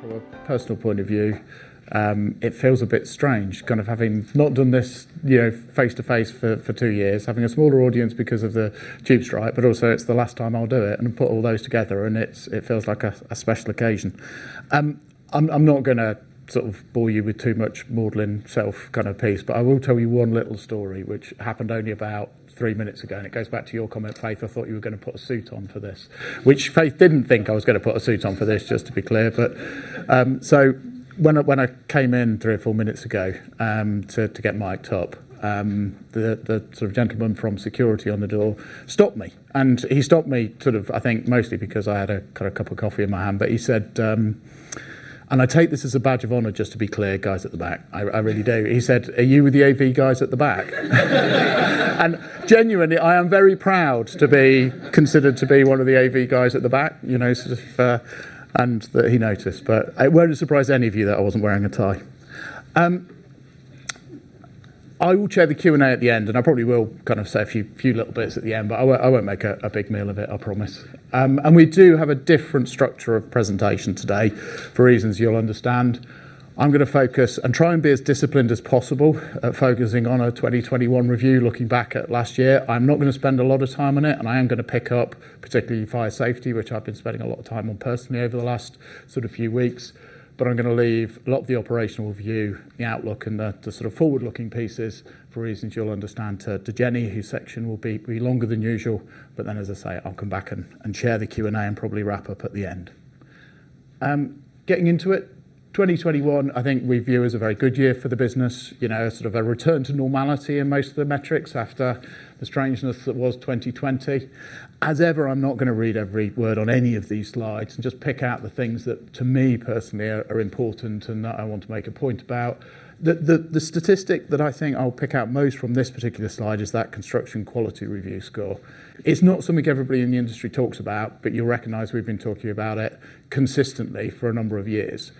From a personal point of view, it feels a bit strange kind of having not done this, you know, face-to-face for two years, having a smaller audience because of the tube strike, but also it's the last time I'll do it and put all those together and it feels like a special occasion. I'm not gonna sort of bore you with too much maudlin self kind of piece, but I will tell you one little story which happened only about three minutes ago, and it goes back to your comment, Faith. I thought you were gonna put a suit on for this. Which Faith didn't think I was gonna put a suit on for this, just to be clear. So when I came in three or four minutes ago, to get mic'd up, the sort of gentleman from security on the door stopped me. He stopped me sort of, I think, mostly because I had a cup of coffee in my hand. He said... I take this as a badge of honor, just to be clear, guys at the back. I really do. He said, "Are you the AV guys at the back?" Genuinely, I am very proud to be considered to be one of the AV guys at the back, you know, sort of, and that he noticed. It won't surprise any of you that I wasn't wearing a tie. I will chair the Q&A at the end, and I probably will kind of say a few little bits at the end, but I won't make a big meal of it, I promise. We do have a different structure of presentation today for reasons you'll understand. I'm gonna focus and try and be as disciplined as possible at focusing on our 2021 review, looking back at last year. I'm not gonna spend a lot of time on it, and I am gonna pick up particularly fire safety, which I've been spending a lot of time on personally over the last sort of few weeks. I'm gonna leave a lot of the operational view, the outlook and the sort of forward-looking pieces for reasons you'll understand to Jennie, whose section will be longer than usual. As I say, I'll come back and chair the Q&A and probably wrap up at the end. Getting into it. 2021, I think we view it as a very good year for the business. You know, sort of a return to normality in most of the metrics after the strangeness that was 2020. As ever, I'm not gonna read every word on any of these slides and just pick out the things that to me personally are important and that I want to make a point about. The statistic that I think I'll pick out most from this particular slide is that Construction Quality Review score. It's not something everybody in the industry talks about, but you'll recognize we've been talking about it consistently for a number of years.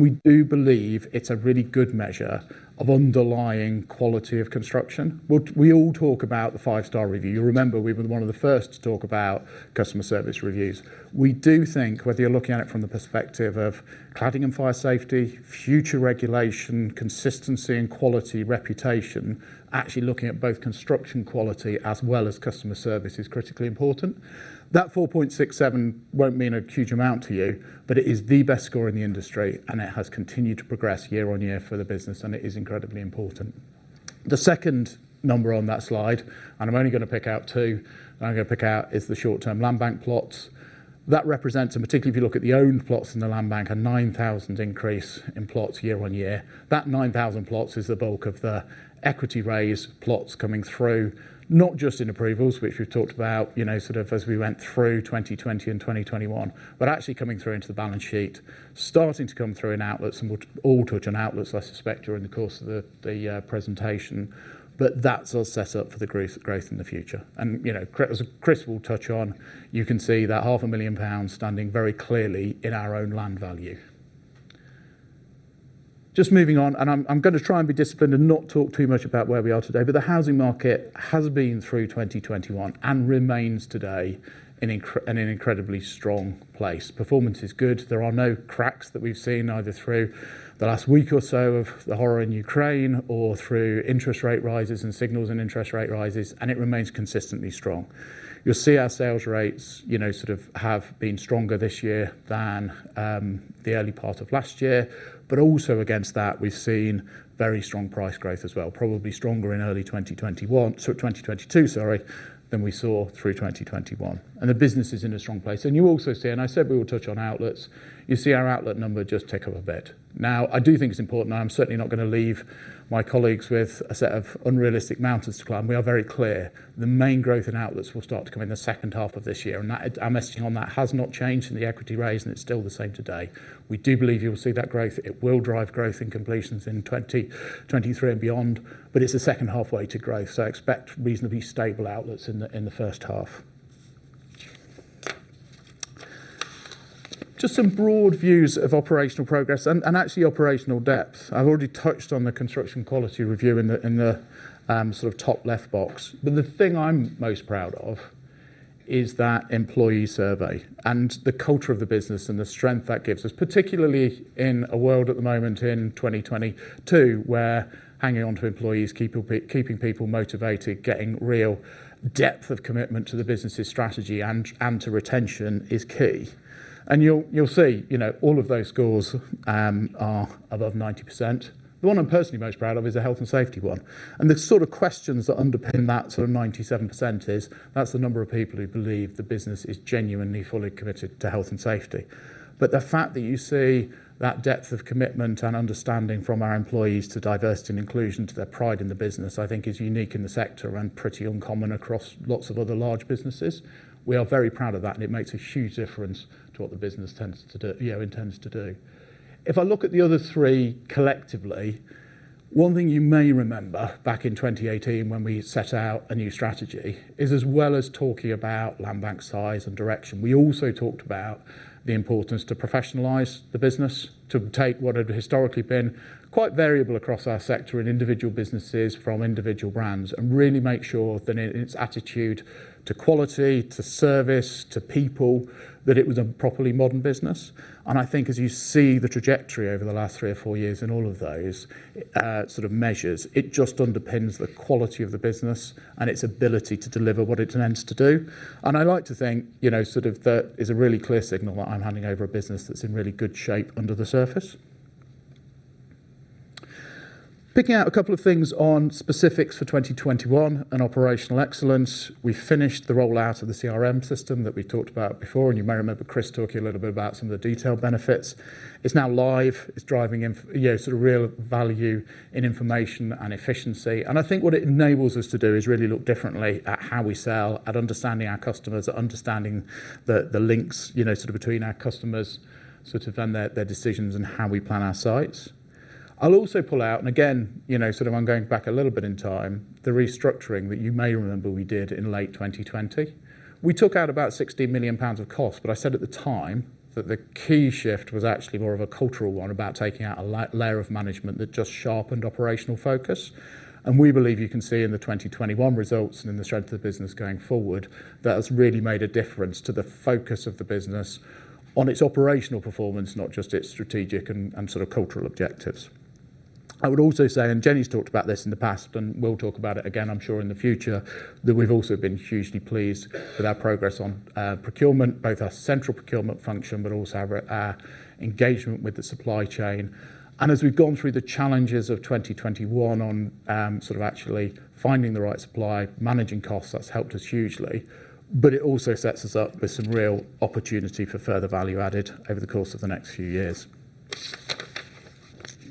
We do believe it's a really good measure of underlying quality of construction. We all talk about the five-star review. You'll remember we've been one of the first to talk about customer service reviews. We do think whether you're looking at it from the perspective of cladding and fire safety, future regulation, consistency and quality, reputation, actually looking at both construction quality as well as customer service is critically important. That 4.67 won't mean a huge amount to you, but it is the best score in the industry and it has continued to progress year-on-year for the business, and it is incredibly important. The second number on that slide, and I'm only gonna pick out two. I'm gonna pick out is the short-term land bank plots. That represents, and particularly if you look at the owned plots in the land bank, a 9,000 increase in plots year-on-year. That 9,000 plots is the bulk of the equity raise plots coming through, not just in approvals, which we've talked about, you know, sort of as we went through 2020 and 2021, but actually coming through into the balance sheet. Starting to come through in outlets and we'll all touch on outlets, I suspect, during the course of the presentation. That's our set up for the growth in the future. You know, as Chris will touch on, you can see that 500,000 pounds standing very clearly in our own land value. Just moving on. I'm gonna try and be disciplined and not talk too much about where we are today, but the housing market has been through 2021 and remains today in an incredibly strong place. Performance is good. There are no cracks that we've seen either through the last week or so of the horror in Ukraine or through interest rate rises and signals in interest rate rises, and it remains consistently strong. You'll see our sales rates, you know, sort of have been stronger this year than the early part of last year. But also against that, we've seen very strong price growth as well, probably stronger in early 2021, sort of 2022, sorry, than we saw through 2021. The business is in a strong place. You also see, and I said we will touch on outlets. You see our outlet number just tick up a bit. Now, I do think it's important, and I'm certainly not gonna leave my colleagues with a set of unrealistic mountains to climb. We are very clear the main growth in outlets will start to come in the second half of this year, and that, our messaging on that has not changed in the equity raise, and it's still the same today. We do believe you will see that growth. It will drive growth in completions in 2023 and beyond, but it's a second halfway to growth. Expect reasonably stable outlets in the first half. Just some broad views of operational progress and actually operational depth. I've already touched on the Construction Quality Review in the sort of top left box. The thing I'm most proud of is that employee survey and the culture of the business and the strength that gives us, particularly in a world at the moment in 2022, where hanging on to employees, keeping people motivated, getting real depth of commitment to the business' strategy and to retention is key. You'll see, you know, all of those scores are above 90%. The one I'm personally most proud of is the health and safety one, and the sort of questions that underpin that sort of 97% is that's the number of people who believe the business is genuinely fully committed to health and safety. The fact that you see that depth of commitment and understanding from our employees to diversity and inclusion, to their pride in the business, I think is unique in the sector and pretty uncommon across lots of other large businesses. We are very proud of that, and it makes a huge difference to what the business tends to do, you know, intends to do. If I look at the other three collectively. One thing you may remember back in 2018 when we set out a new strategy is as well as talking about land bank size and direction, we also talked about the importance to professionalize the business, to take what had historically been quite variable across our sector in individual businesses from individual brands and really make sure that in its attitude to quality, to service, to people, that it was a properly modern business. I think as you see the trajectory over the last three or four years in all of those, sort of measures, it just underpins the quality of the business and its ability to deliver what it intends to do. I like to think, you know, sort of that is a really clear signal that I'm handing over a business that's in really good shape under the surface. Picking out a couple of things on specifics for 2021 and operational excellence, we finished the rollout of the CRM system that we talked about before, and you may remember Chris talking a little bit about some of the detailed benefits. It's now live. It's driving in, you know, sort of real value in information and efficiency. I think what it enables us to do is really look differently at how we sell, at understanding our customers, at understanding the links, you know, sort of between our customers, sort of, and their decisions and how we plan our sites. I'll also pull out, and again, you know, sort of I'm going back a little bit in time, the restructuring that you may remember we did in late 2020. We took out about 60 million pounds of cost, but I said at the time that the key shift was actually more of a cultural one about taking out a layer of management that just sharpened operational focus. We believe you can see in the 2021 results and in the strength of the business going forward that has really made a difference to the focus of the business on its operational performance, not just its strategic and sort of cultural objectives. I would also say, and Jennie's talked about this in the past, and will talk about it again, I'm sure, in the future, that we've also been hugely pleased with our progress on procurement, both our central procurement function, but also our engagement with the supply chain. As we've gone through the challenges of 2021 on sort of actually finding the right supply, managing costs, that's helped us hugely. It also sets us up with some real opportunity for further value added over the course of the next few years.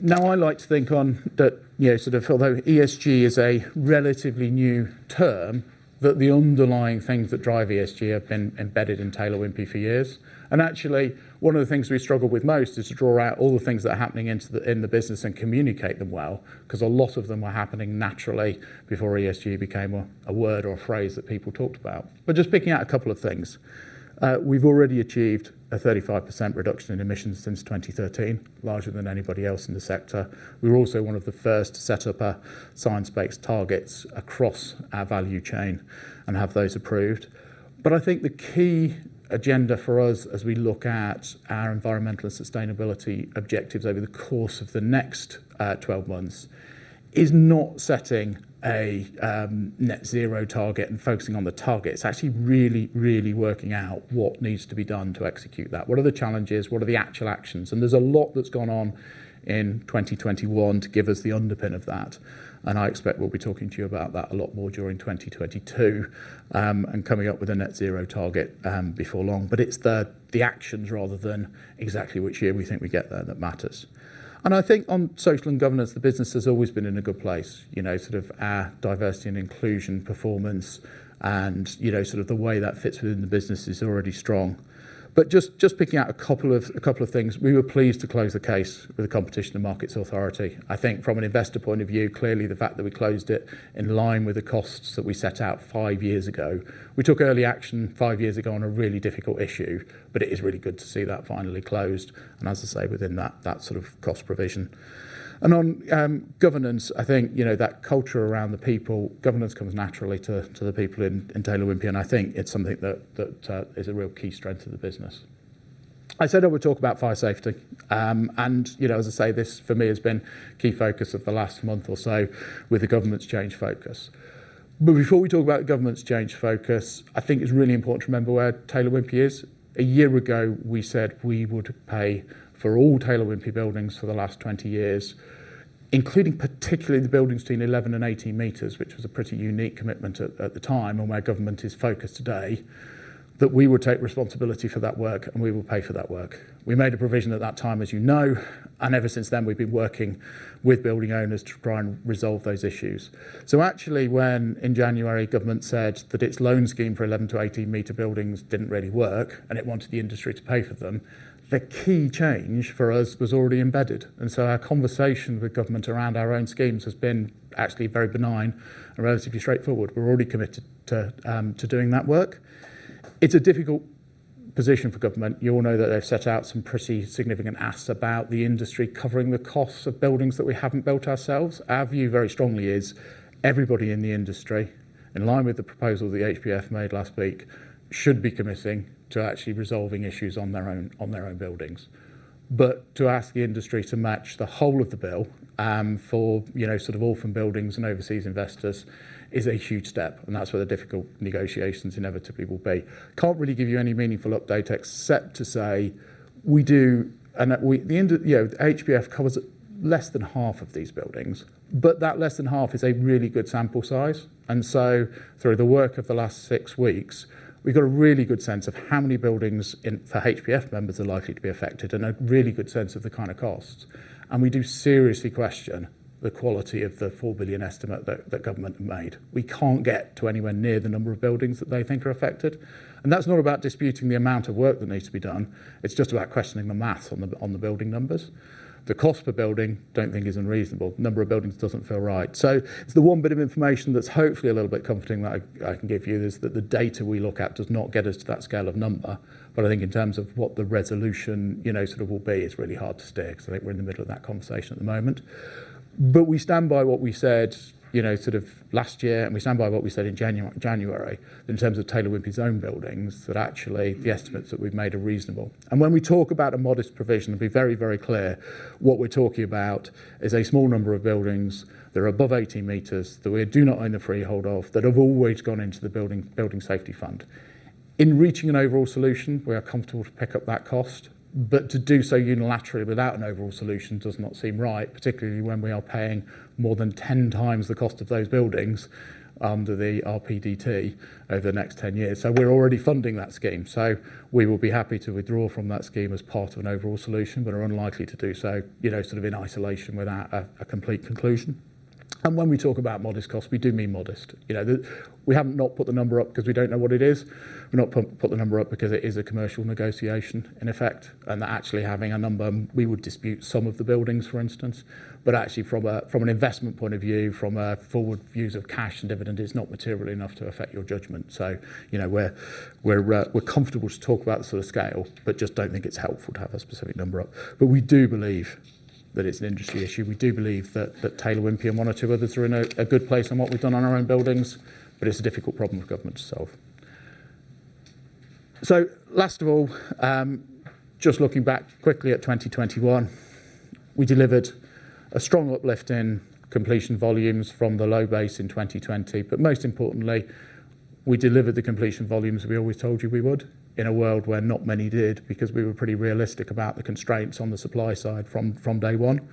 Now, I like to think on that, you know, sort of although ESG is a relatively new term, that the underlying things that drive ESG have been embedded in Taylor Wimpey for years. Actually, one of the things we struggle with most is to draw out all the things that are happening into the business and communicate them well 'cause a lot of them were happening naturally before ESG became a word or a phrase that people talked about. Just picking out a couple of things. We've already achieved a 35% reduction in emissions since 2013, larger than anybody else in the sector. We were also one of the first to set up science-based targets across our value chain and have those approved. I think the key agenda for us as we look at our environmental and sustainability objectives over the course of the next 12 months is not setting a net zero target and focusing on the target. It's actually really working out what needs to be done to execute that. What are the challenges? What are the actual actions? There's a lot that's gone on in 2021 to give us the underpin of that. I expect we'll be talking to you about that a lot more during 2022 and coming up with a net zero target before long. It's the actions rather than exactly which year we think we get there that matters. I think on social and governance, the business has always been in a good place. You know, sort of our diversity and inclusion performance and, you know, sort of the way that fits within the business is already strong. Just picking out a couple of things. We were pleased to close the case with the Competition and Markets Authority. I think from an investor point of view, clearly the fact that we closed it in line with the costs that we set out five years ago. We took early action five years ago on a really difficult issue, but it is really good to see that finally closed and, as I say, within that sort of cost provision. On governance, I think, you know, that culture around the people, governance comes naturally to the people in Taylor Wimpey, and I think it's something that is a real key strength of the business. I said I would talk about fire safety, you know, as I say, this for me has been key focus of the last month or so with the government's changing focus. Before we talk about government's changing focus, I think it's really important to remember where Taylor Wimpey is. A year ago, we said we would pay for all Taylor Wimpey buildings for the last 20 years, including particularly the buildings between 11 and 18 meters, which was a pretty unique commitment at the time and where government is focused today, that we would take responsibility for that work, and we will pay for that work. We made a provision at that time, as you know, and ever since then, we've been working with building owners to try and resolve those issues. Actually, when in January, government said that its loan scheme for 11-18-meter buildings didn't really work and it wanted the industry to pay for them, the key change for us was already embedded. Our conversation with government around our own schemes has been actually very benign and relatively straightforward. We're already committed to doing that work. It's a difficult position for government. You all know that they've set out some pretty significant asks about the industry covering the costs of buildings that we haven't built ourselves. Our view very strongly is everybody in the industry, in line with the proposal the HBF made last week, should be committing to actually resolving issues on their own, on their own buildings. To ask the industry to match the whole of the bill, for you know sort of orphan buildings and overseas investors is a huge step, and that's where the difficult negotiations inevitably will be. Can't really give you any meaningful update except to say you know, HBF covers less than half of these buildings. That less than half is a really good sample size. Through the work of the last six weeks, we've got a really good sense of how many buildings in, for HBF members are likely to be affected and a really good sense of the kind of costs. We do seriously question the quality of the 4 billion estimate that the government made. We can't get to anywhere near the number of buildings that they think are affected. That's not about disputing the amount of work that needs to be done. It's just about questioning the math on the, on the building numbers. The cost per building, I don't think is unreasonable. Number of buildings doesn't feel right. It's the one bit of information that's hopefully a little bit comforting that I can give you is that the data we look at does not get us to that scale of number. I think in terms of what the resolution, you know, sort of will be, it's really hard to say 'cause I think we're in the middle of that conversation at the moment. We stand by what we said, you know, sort of last year, and we stand by what we said in January in terms of Taylor Wimpey's own buildings, that actually the estimates that we've made are reasonable. When we talk about a modest provision, to be very, very clear, what we're talking about is a small number of buildings that are above 18 meters, that we do not own the freehold of, that have always gone into the Building Safety Fund. In reaching an overall solution, we are comfortable to pick up that cost, but to do so unilaterally without an overall solution does not seem right, particularly when we are paying more than 10x the cost of those buildings under the RPDT over the next 10 years. We are already funding that scheme. We will be happy to withdraw from that scheme as part of an overall solution, but are unlikely to do so, you know, sort of in isolation without a complete conclusion. When we talk about modest cost, we do mean modest. You know, we haven't not put the number up 'cause we don't know what it is. We've not put the number up because it is a commercial negotiation in effect, and that actually having a number, we would dispute some of the buildings, for instance. Actually from an investment point of view, from a forward views of cash and dividend is not material enough to affect your judgment. You know, we're comfortable to talk about the sort of scale, but just don't think it's helpful to have a specific number up. We do believe that it's an industry issue. We do believe that Taylor Wimpey and one or two others are in a good place on what we've done on our own buildings. It's a difficult problem for government to solve. Last of all, just looking back quickly at 2021, we delivered a strong uplift in completion volumes from the low base in 2020. Most importantly, we delivered the completion volumes we always told you we would in a world where not many did because we were pretty realistic about the constraints on the supply side from day one.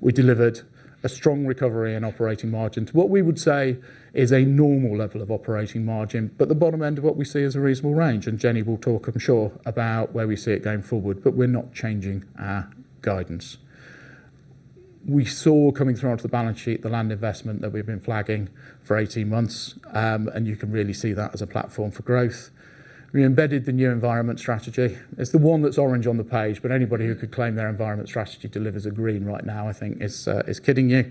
We delivered a strong recovery in operating margin to what we would say is a normal level of operating margin, but the bottom end of what we see is a reasonable range. Jennie will talk, I'm sure, about where we see it going forward, but we're not changing our guidance. We saw coming through onto the balance sheet the land investment that we've been flagging for 18 months. You can really see that as a platform for growth. We embedded the new environmental strategy. It's the one that's orange on the page, but anybody who could claim their environmental strategy delivers a green right now, I think is kidding you.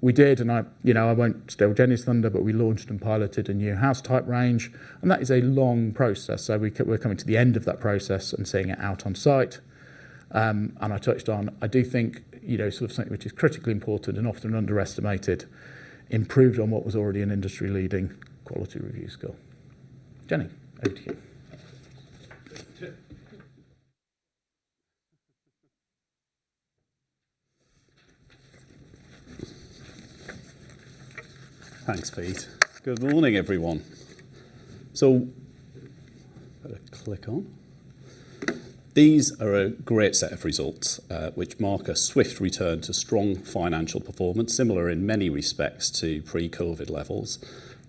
We did, and I, you know, I won't steal Jennie's thunder, but we launched and piloted a new house type range, and that is a long process. We're coming to the end of that process and seeing it out on site. I touched on, I do think, you know, sort of something which is critically important and often underestimated, improved on what was already an industry leading quality review score. Jennie, over to you. Thanks, Pete. Good morning, everyone. These are a great set of results, which mark a swift return to strong financial performance, similar in many respects to pre-COVID levels.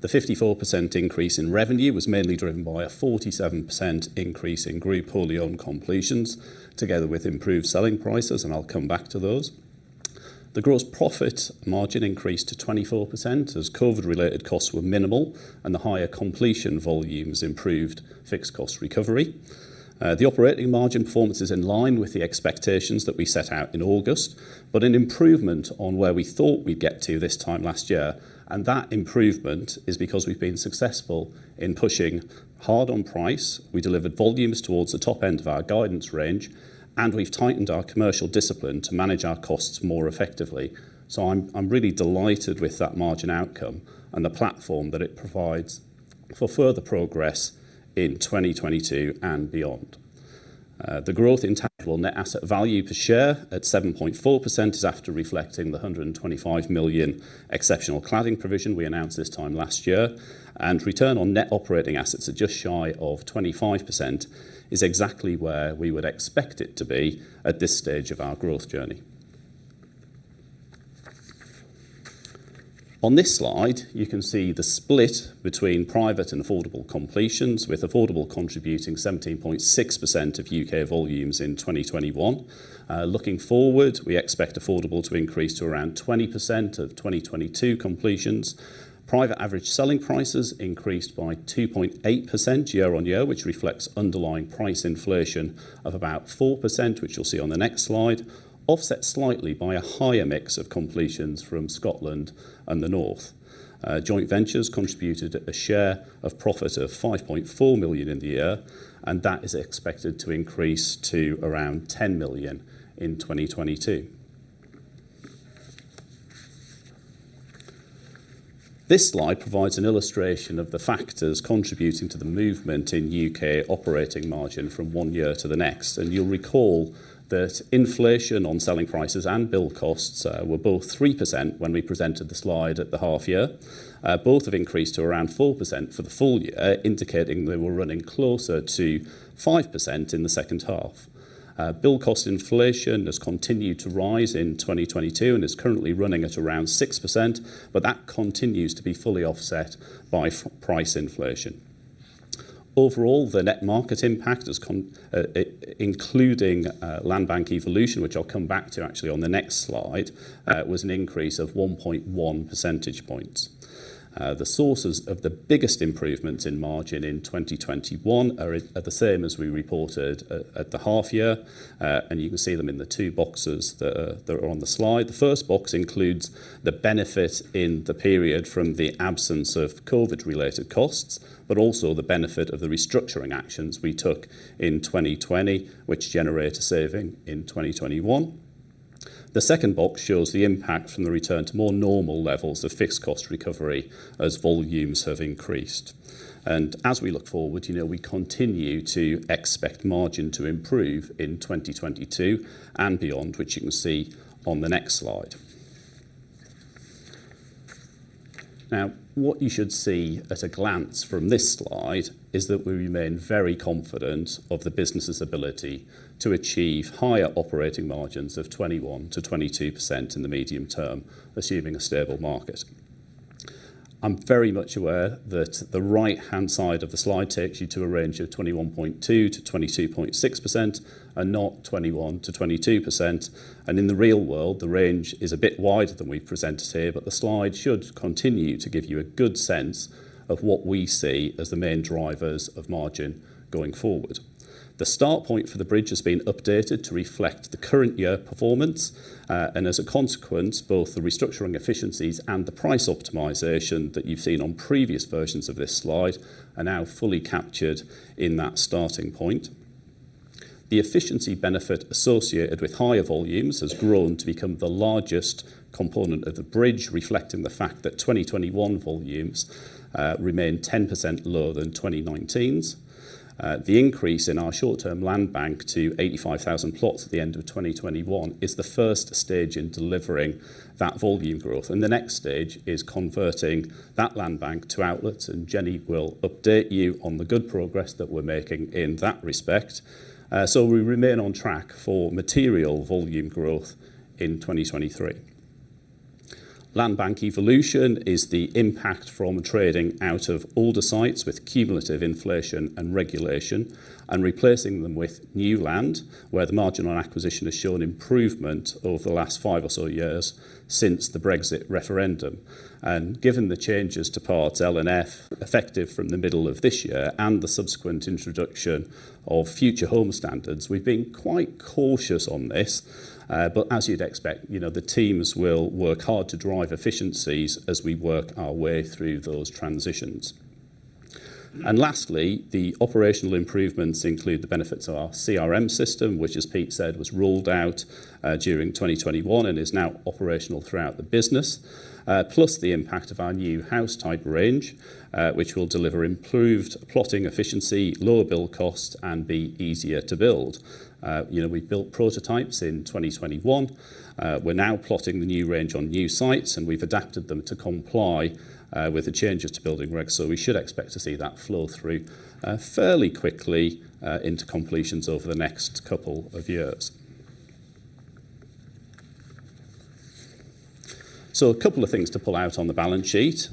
The 54% increase in revenue was mainly driven by a 47% increase in group wholly owned completions, together with improved selling prices, and I'll come back to those. The gross profit margin increased to 24% as COVID related costs were minimal and the higher completion volumes improved fixed cost recovery. The operating margin performance is in line with the expectations that we set out in August, but an improvement on where we thought we'd get to this time last year. That improvement is because we've been successful in pushing hard on price. We delivered volumes towards the top end of our guidance range, and we've tightened our commercial discipline to manage our costs more effectively. I'm really delighted with that margin outcome and the platform that it provides for further progress in 2022 and beyond. The growth in tangible net asset value per share at 7.4% is after reflecting the 125 million exceptional cladding provision we announced this time last year. Return on net operating assets at just shy of 25% is exactly where we would expect it to be at this stage of our growth journey. On this slide, you can see the split between private and affordable completions, with affordable contributing 17.6% of U.K. volumes in 2021. Looking forward, we expect affordable to increase to around 20% of 2022 completions. Private average selling prices increased by 2.8% year-on-year, which reflects underlying price inflation of about 4%, which you'll see on the next slide, offset slightly by a higher mix of completions from Scotland and the North. Joint ventures contributed a share of profit of 5.4 million in the year, and that is expected to increase to around 10 million in 2022. This slide provides an illustration of the factors contributing to the movement in U.K. operating margin from one year to the next. You'll recall that inflation on selling prices and build costs were both 3% when we presented the slide at the half year. Both have increased to around 4% for the full year, indicating they were running closer to 5% in the second half. Build cost inflation has continued to rise in 2022 and is currently running at around 6%, but that continues to be fully offset by price inflation. Overall, the net market impact has, including landbank evolution, which I'll come back to actually on the next slide, was an increase of 1.1 percentage points. The sources of the biggest improvements in margin in 2021 are the same as we reported at the half year, and you can see them in the two boxes that are on the slide. The first box includes the benefit in the period from the absence of COVID related costs, but also the benefit of the restructuring actions we took in 2020, which generate a saving in 2021. The second box shows the impact from the return to more normal levels of fixed cost recovery as volumes have increased. As we look forward, you know, we continue to expect margin to improve in 2022 and beyond, which you can see on the next slide. Now, what you should see at a glance from this slide is that we remain very confident of the business's ability to achieve higher operating margins of 21%-22% in the medium term, assuming a stable market. I'm very much aware that the right-hand side of the slide takes you to a range of 21.2%-22.6% and not 21%-22%. In the real world, the range is a bit wider than we've presented here, but the slide should continue to give you a good sense of what we see as the main drivers of margin going forward. The start point for the bridge has been updated to reflect the current year performance. As a consequence, both the restructuring efficiencies and the price optimization that you've seen on previous versions of this slide are now fully captured in that starting point. The efficiency benefit associated with higher volumes has grown to become the largest component of the bridge, reflecting the fact that 2021 volumes remain 10% lower than 2019's. The increase in our short-term land bank to 85,000 plots at the end of 2021 is the first stage in delivering that volume growth. The next stage is converting that land bank to outlets, and Jennie will update you on the good progress that we're making in that respect. We remain on track for material volume growth in 2023. Land bank evolution is the impact from trading out of older sites with cumulative inflation and regulation and replacing them with new land where the margin on acquisition has shown improvement over the last five or so years since the Brexit referendum. Given the changes to Part L and Part F effective from the middle of this year and the subsequent introduction of Future Homes Standard, we've been quite cautious on this. As you'd expect, you know, the teams will work hard to drive efficiencies as we work our way through those transitions. Lastly, the operational improvements include the benefits of our CRM system, which as Pete said, was rolled out during 2021 and is now operational throughout the business. Plus the impact of our new house type range, which will deliver improved plotting efficiency, lower build cost, and be easier to build. You know, we built prototypes in 2021. We're now plotting the new range on new sites, and we've adapted them to comply with the changes to building regs. We should expect to see that flow through fairly quickly into completions over the next couple of years. A couple of things to pull out on the balance sheet.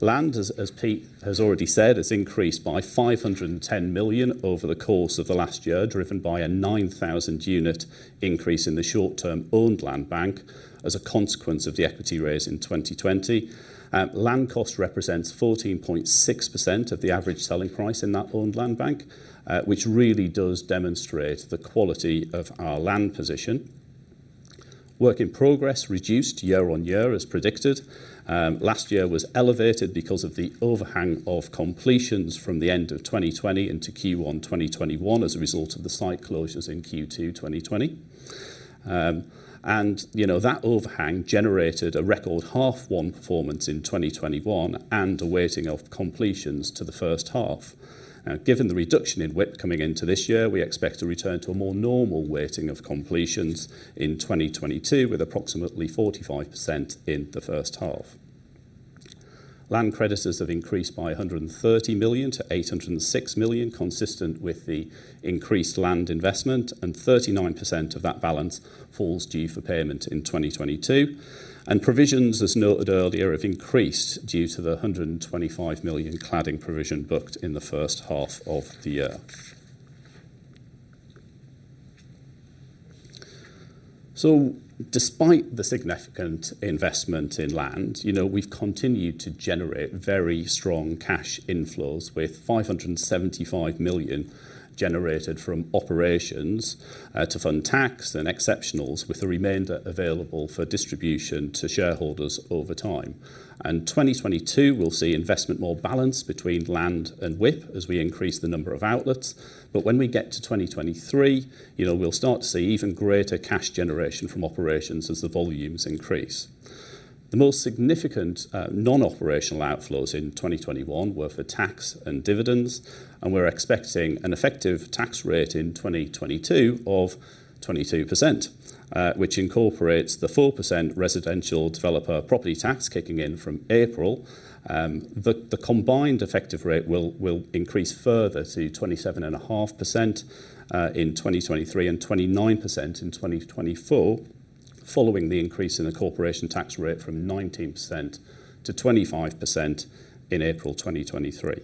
Land, as Pete has already said, has increased by 510 million over the course of the last year, driven by a 9,000 unit increase in the short term owned land bank as a consequence of the equity raise in 2020. Land cost represents 14.6% of the average selling price in that owned land bank, which really does demonstrate the quality of our land position. Work in progress reduced year-on-year as predicted. Last year was elevated because of the overhang of completions from the end of 2020 into Q1 2021 as a result of the site closures in Q2 2020. You know, that overhang generated a record half one performance in 2021 and a weighting of completions to the first half. Given the reduction in WIP coming into this year, we expect to return to a more normal weighting of completions in 2022, with approximately 45% in the first half. Land creditors have increased by 130 million to 806 million, consistent with the increased land investment, and 39% of that balance falls due for payment in 2022. Provisions, as noted earlier, have increased due to the 125 million cladding provision booked in the first half of the year. Despite the significant investment in land, you know, we've continued to generate very strong cash inflows with 575 million generated from operations to fund tax and exceptionals, with the remainder available for distribution to shareholders over time. 2022 will see investment more balanced between land and WIP as we increase the number of outlets. When we get to 2023, you know, we'll start to see even greater cash generation from operations as the volumes increase. The most significant non-operational outflows in 2021 were for tax and dividends, and we're expecting an effective tax rate in 2022 of 22%, which incorporates the 4% Residential Property Developer Tax kicking in from April. The combined effective rate will increase further to 27.5% in 2023 and 29% in 2024 following the increase in the corporation tax rate from 19%-25% in April 2023.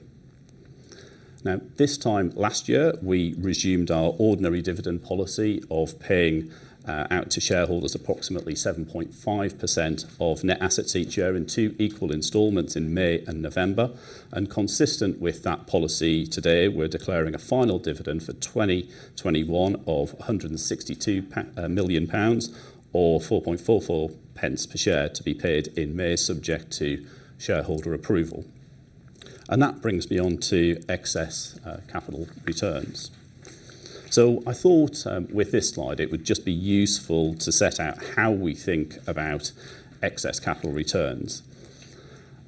Now, this time last year, we resumed our ordinary dividend policy of paying out to shareholders approximately 7.5% of net assets each year in two equal installments in May and November. Consistent with that policy, today we're declaring a final dividend for 2021 of 162 million pounds or 4.44 pence per share to be paid in May, subject to shareholder approval. That brings me on to excess capital returns. I thought, with this slide it would just be useful to set out how we think about excess capital returns.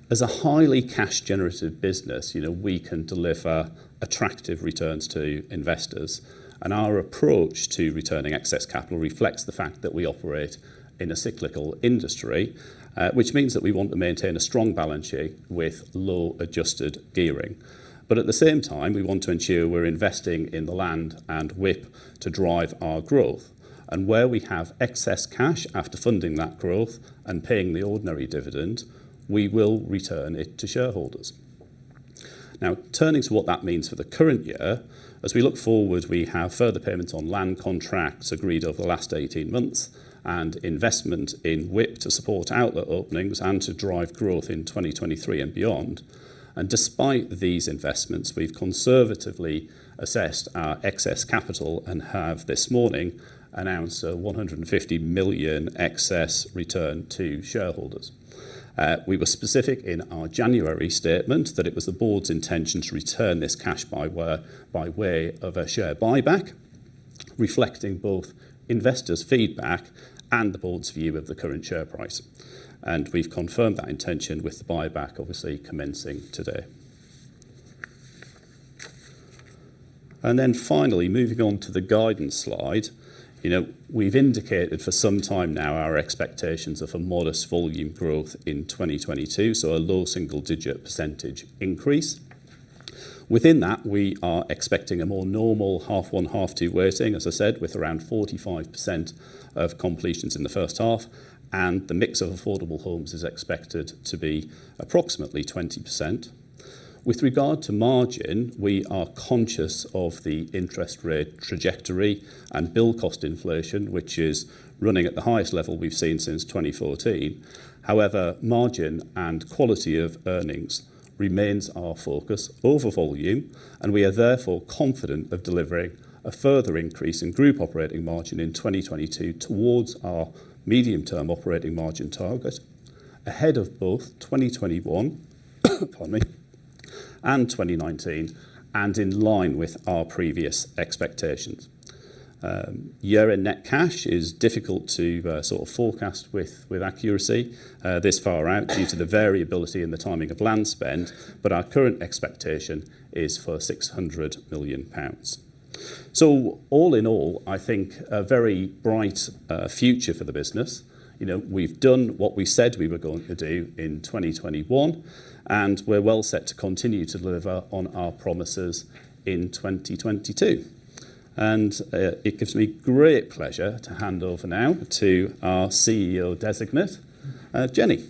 As a highly cash generative business, you know, we can deliver attractive returns to investors. Our approach to returning excess capital reflects the fact that we operate in a cyclical industry, which means that we want to maintain a strong balance sheet with low adjusted gearing. At the same time, we want to ensure we're investing in the land and WIP to drive our growth. Where we have excess cash after funding that growth and paying the ordinary dividend, we will return it to shareholders. Now, turning to what that means for the current year, as we look forward, we have further payments on land contracts agreed over the last 18 months and investment in WIP to support outlet openings and to drive growth in 2023 and beyond. Despite these investments, we've conservatively assessed our excess capital and have this morning announced a 150 million excess return to shareholders. We were specific in our January statement that it was the board's intention to return this cash by way of a share buyback, reflecting both investors' feedback and the board's view of the current share price. We've confirmed that intention with the buyback obviously commencing today. Finally, moving on to the guidance slide. You know, we've indicated for some time now our expectations of a modest volume growth in 2022, so a low single-digit percentage increase. Within that, we are expecting a more normal half one, half two weighting, as I said, with around 45% of completions in the first half, and the mix of affordable homes is expected to be approximately 20%. With regard to margin, we are conscious of the interest rate trajectory and build cost inflation, which is running at the highest level we've seen since 2014. However, margin and quality of earnings remains our focus over volume, and we are therefore confident of delivering a further increase in group operating margin in 2022 towards our medium-term operating margin target ahead of both 2021 and 2019 and in line with our previous expectations. Year-end net cash is difficult to sort of forecast with accuracy this far out due to the variability in the timing of land spend, but our current expectation is for 600 million pounds. So all in all, I think a very bright future for the business. You know, we've done what we said we were going to do in 2021, and we're well set to continue to deliver on our promises in 2022. It gives me great pleasure to hand over now to our CEO designate, Jennie?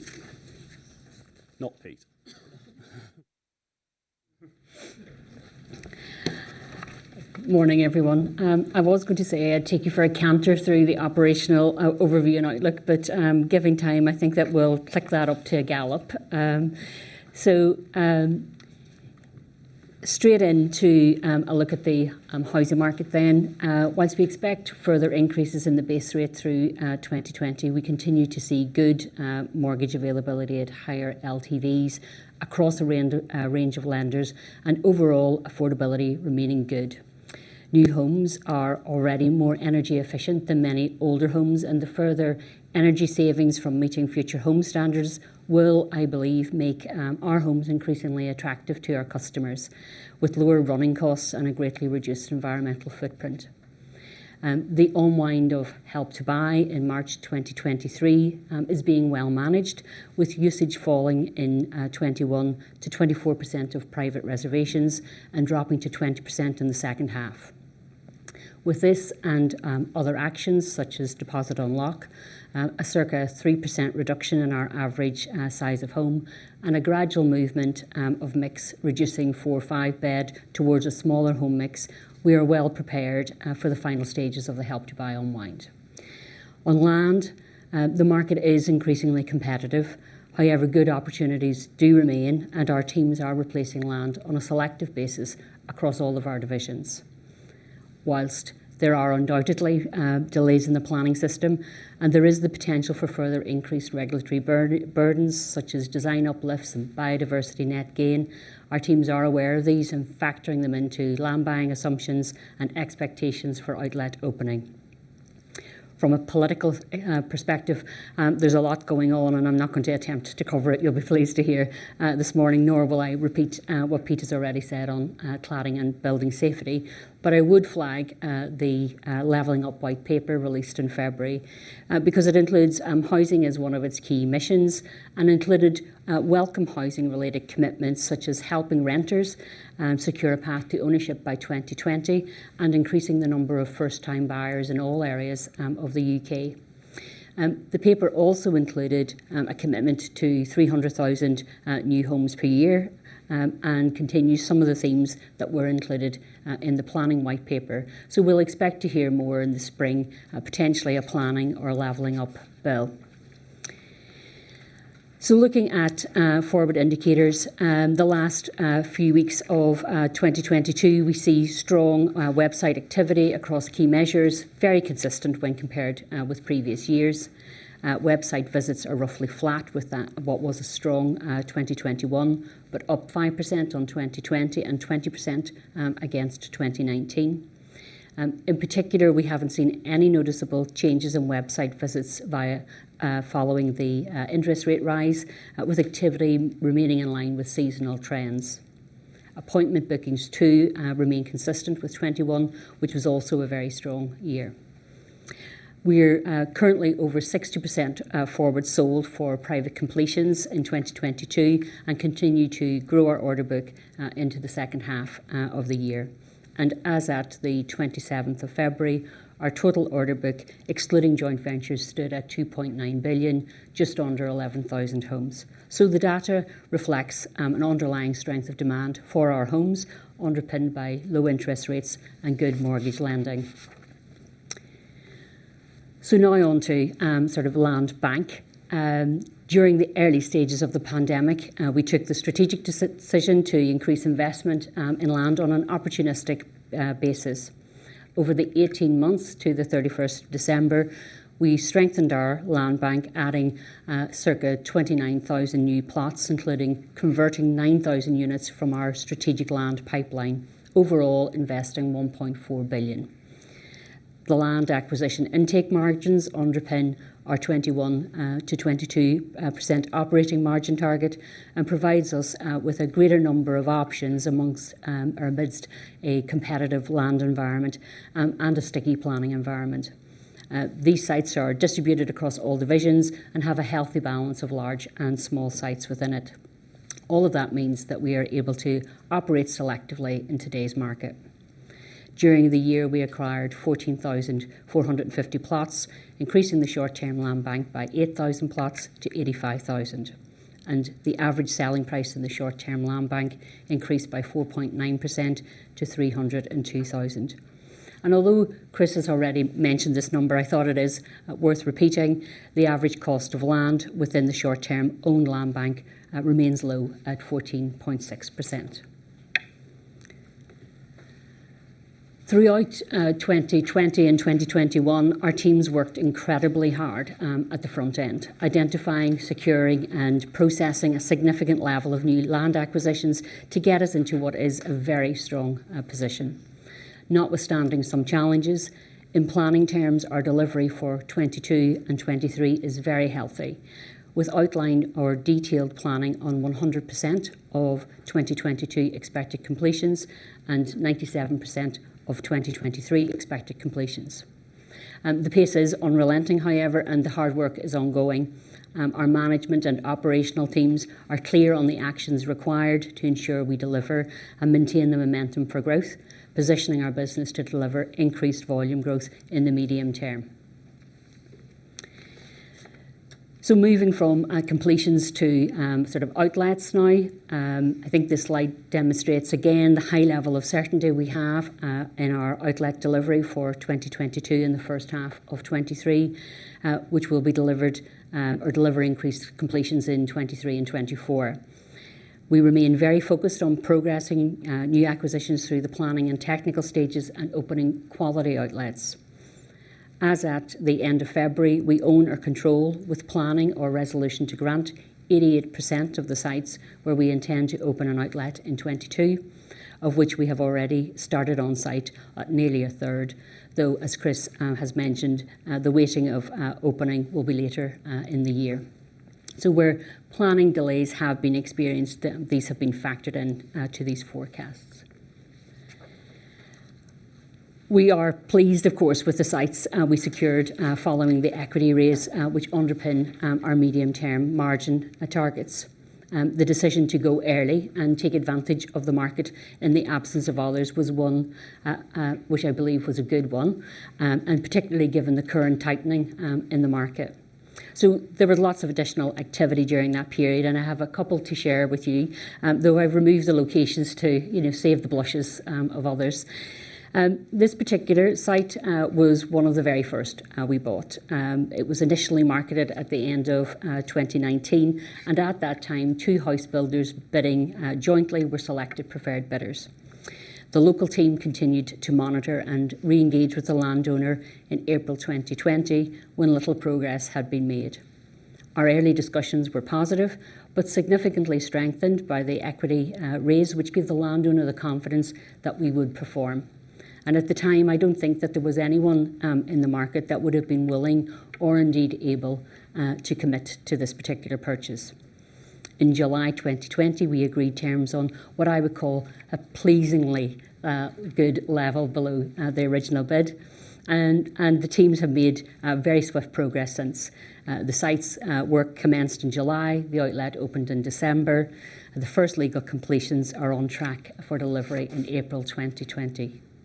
Not Pete. Morning, everyone. I was going to say I'd take you for a canter through the operational overview and outlook. Giving time, I think that we'll kick that up to a gallop. Straight into a look at the housing market then. While we expect further increases in the base rate through 2020, we continue to see good mortgage availability at higher LTVs across a range of lenders and overall affordability remaining good. New homes are already more energy efficient than many older homes, and the further energy savings from meeting future home standards will, I believe, make our homes increasingly attractive to our customers with lower running costs and a greatly reduced environmental footprint. The unwind of Help to Buy in March 2023 is being well managed with usage falling in 21%-24% of private reservations and dropping to 20% in the second half. With this and other actions, such as Deposit Unlock, a circa 3% reduction in our average size of home, and a gradual movement of mix, reducing four or five bed towards a smaller home mix, we are well prepared for the final stages of the Help to Buy unwind. On land, the market is increasingly competitive. However, good opportunities do remain and our teams are replacing land on a selective basis across all of our divisions. While there are undoubtedly delays in the planning system and there is the potential for further increased regulatory burdens, such as design uplifts and biodiversity net gain, our teams are aware of these and factoring them into land buying assumptions and expectations for outlet opening. From a political perspective, there's a lot going on and I'm not going to attempt to cover it, you'll be pleased to hear, this morning, nor will I repeat what Pete's already said on cladding and building safety. I would flag the Levelling Up White Paper released in February because it includes housing as one of its key missions and included welcome housing related commitments such as helping renters secure a path to ownership by 2020 and increasing the number of first-time buyers in all areas of the UK. The paper also included a commitment to 300,000 new homes per year and continues some of the themes that were included in the Planning White Paper. We'll expect to hear more in the spring, potentially a planning or a Levelling Up Bill. Looking at forward indicators, the last few weeks of 2022, we see strong website activity across key measures, very consistent when compared with previous years. Website visits are roughly flat with that, what was a strong 2021, but up 5% on 2020 and 20% against 2019. In particular, we haven't seen any noticeable changes in website visits or following the interest rate rise, with activity remaining in line with seasonal trends. Appointment bookings too remain consistent with 2021, which was also a very strong year. We're currently over 60% forward sold for private completions in 2022, and continue to grow our order book into the second half of the year. As at the 27th of February, our total order book excluding joint ventures stood at 2.9 billion, just under 11,000 homes. The data reflects an underlying strength of demand for our homes, underpinned by low interest rates and good mortgage lending. Now on to sort of land bank. During the early stages of the pandemic, we took the strategic decision to increase investment in land on an opportunistic basis. Over the 18 months to the 31 December, we strengthened our land bank, adding circa 29,000 new plots, including converting 9,000 units from our strategic land pipeline. Overall investing 1.4 billion. The land acquisition intake margins underpin our 21%-22% operating margin target and provides us with a greater number of options amongst or amidst a competitive land environment and a sticky planning environment. These sites are distributed across all divisions and have a healthy balance of large and small sites within it. All of that means that we are able to operate selectively in today's market. During the year, we acquired 14,450 plots, increasing the short-term land bank by 8,000 plots to 85,000. The average selling price in the short-term land bank increased by 4.9% to 302,000. Although Chris has already mentioned this number, I thought it is worth repeating, the average cost of land within the short term owned land bank remains low at 14.6%. Throughout 2020 and 2021, our teams worked incredibly hard at the front end. Identifying, securing, and processing a significant level of new land acquisitions to get us into what is a very strong position. Notwithstanding some challenges, in planning terms, our delivery for 2022 and 2023 is very healthy. With outline or detailed planning on 100% of 2022 expected completions and 97% of 2023 expected completions. The pace is unrelenting, however, and the hard work is ongoing. Our management and operational teams are clear on the actions required to ensure we deliver and maintain the momentum for growth, positioning our business to deliver increased volume growth in the medium term. Moving from completions to sort of outlets now. I think this slide demonstrates again the high level of certainty we have in our outlet delivery for 2022 and the first half of 2023, which will be delivered or deliver increased completions in 2023 and 2024. We remain very focused on progressing new acquisitions through the planning and technical stages and opening quality outlets. As at the end of February, we own or control with planning or resolution to grant 88% of the sites where we intend to open an outlet in 2022, of which we have already started on site at nearly a third. Though, as Chris has mentioned, the weighting of opening will be later in the year. Where planning delays have been experienced, then these have been factored in to these forecasts. We are pleased, of course, with the sites we secured following the equity raise, which underpin our medium term margin targets. The decision to go early and take advantage of the market in the absence of others was one which I believe was a good one, and particularly given the current tightening in the market. There was lots of additional activity during that period, and I have a couple to share with you, though I've removed the locations to, you know, save the blushes of others. This particular site was one of the very first we bought. It was initially marketed at the end of 2019, and at that time, two house builders bidding jointly were selected preferred bidders. The local team continued to monitor and re-engage with the landowner in April 2020, when little progress had been made. Our early discussions were positive, but significantly strengthened by the equity raise, which gave the landowner the confidence that we would perform. At the time, I don't think that there was anyone in the market that would have been willing or indeed able to commit to this particular purchase. In July 2020, we agreed terms on what I would call a pleasingly good level below the original bid. The teams have made very swift progress since. The site's work commenced in July, the outlet opened in December, and the first legal completions are on track for delivery in April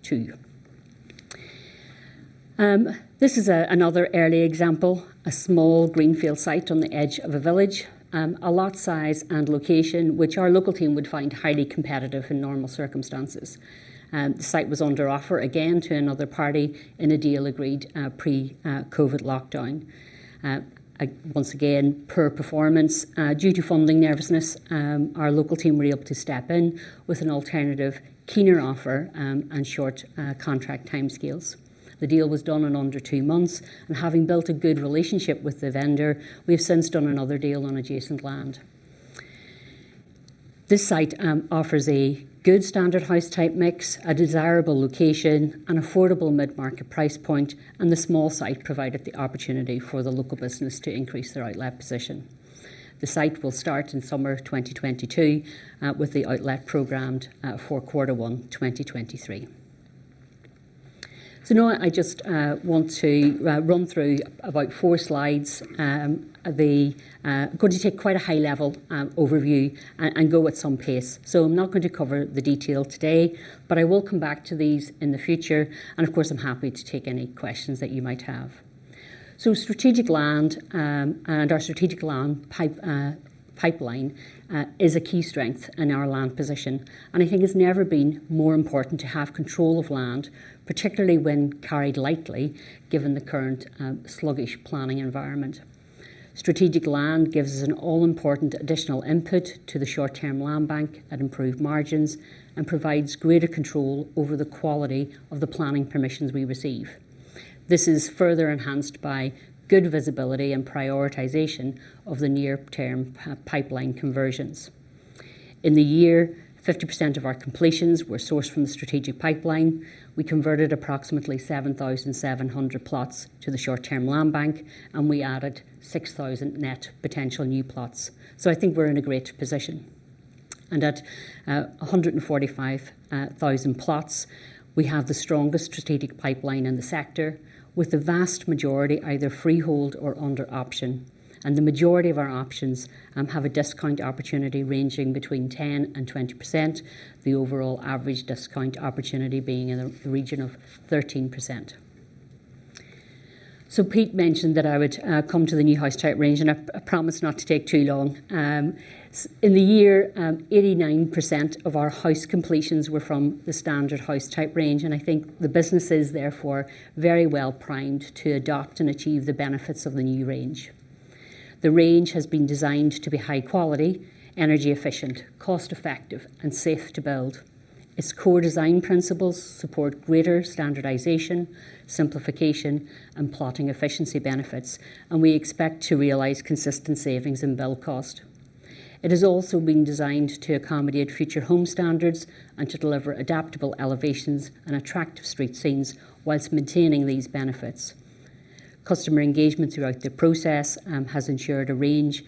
2022. This is another early example, a small greenfield site on the edge of a village. A lot size and location which our local team would find highly competitive in normal circumstances. The site was under offer again to another party in a deal agreed pre COVID lockdown. Once again, poor performance due to funding nervousness, our local team were able to step in with an alternative keener offer, and short contract timescales. The deal was done in under two months, and having built a good relationship with the vendor, we have since done another deal on adjacent land. This site offers a good standard house type mix, a desirable location, an affordable mid-market price point, and the small site provided the opportunity for the local business to increase their outlet position. The site will start in summer 2022, with the outlet programmed for Q1 2023. Now I just want to run through about four slides. They're going to take quite a high level overview and go at some pace. I'm not going to cover the detail today, but I will come back to these in the future. Of course, I'm happy to take any questions that you might have. Strategic land and our strategic land pipeline is a key strength in our land position, and I think it's never been more important to have control of land, particularly when carried lightly, given the current sluggish planning environment. Strategic land gives us an all-important additional input to the short-term land bank and improved margins and provides greater control over the quality of the planning permissions we receive. This is further enhanced by good visibility and prioritization of the near-term pipeline conversions. In the year, 50% of our completions were sourced from the strategic pipeline. We converted approximately 7,700 plots to the short-term land bank, and we added 6,000 net potential new plots. I think we're in a great position. At 145,000 plots, we have the strongest strategic pipeline in the sector, with the vast majority either freehold or under option. The majority of our options have a discount opportunity ranging between 10%-20%, the overall average discount opportunity being in the region of 13%. Pete mentioned that I would come to the new house type range, and I promise not to take too long. In the year, 89% of our house completions were from the standard house type range. I think the business is therefore very well primed to adopt and achieve the benefits of the new range. The range has been designed to be high quality, energy efficient, cost effective, and safe to build. Its core design principles support greater standardization, simplification, and plotting efficiency benefits. We expect to realize consistent savings in build cost. It has also been designed to accommodate future home standards and to deliver adaptable elevations and attractive street scenes while maintaining these benefits. Customer engagement throughout the process has ensured a range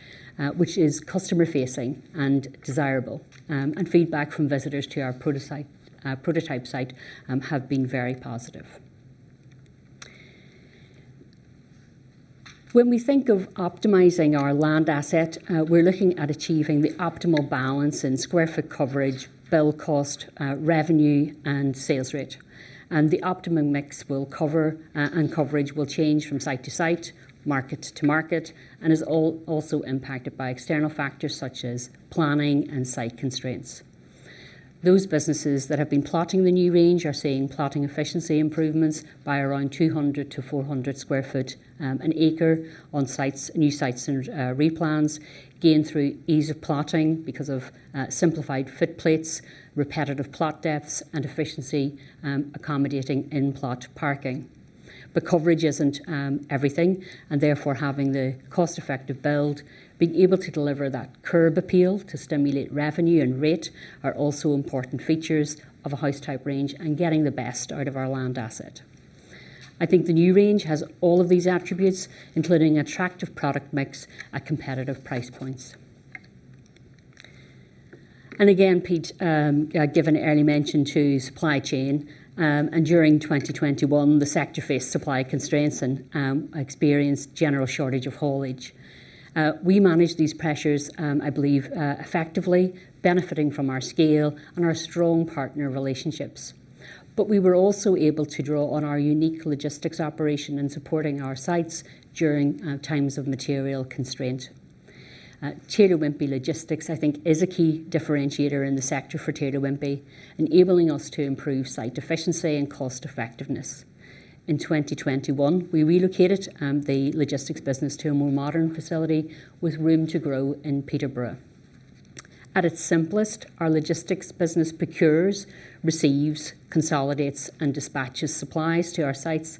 which is customer facing and desirable. Feedback from visitors to our prototype site have been very positive. When we think of optimizing our land asset, we're looking at achieving the optimal balance in square foot coverage, build cost, revenue, and sales rate. The optimum mix will cover and coverage will change from site to site, market to market, and is also impacted by external factors such as planning and site constraints. Those businesses that have been plotting the new range are seeing plotting efficiency improvements by around 200-400 sq ft an acre on sites, new sites and replans gained through ease of plotting because of simplified footplates, repetitive plot depths, and efficiency accommodating in plot parking. Coverage isn't everything, and therefore having the cost effective build, being able to deliver that kerb appeal to stimulate revenue and rate are also important features of a house type range and getting the best out of our land asset. I think the new range has all of these attributes, including attractive product mix at competitive price points. Again, Pete gave an early mention to supply chain. During 2021, the sector faced supply constraints and experienced general shortage of haulage. We managed these pressures, I believe, effectively, benefiting from our scale and our strong partner relationships. We were also able to draw on our unique logistics operation in supporting our sites during times of material constraint. Taylor Wimpey Logistics, I think, is a key differentiator in the sector for Taylor Wimpey, enabling us to improve site efficiency and cost effectiveness. In 2021, we relocated the logistics business to a more modern facility with room to grow in Peterborough. At its simplest, our logistics business procures, receives, consolidates, and dispatches supplies to our sites,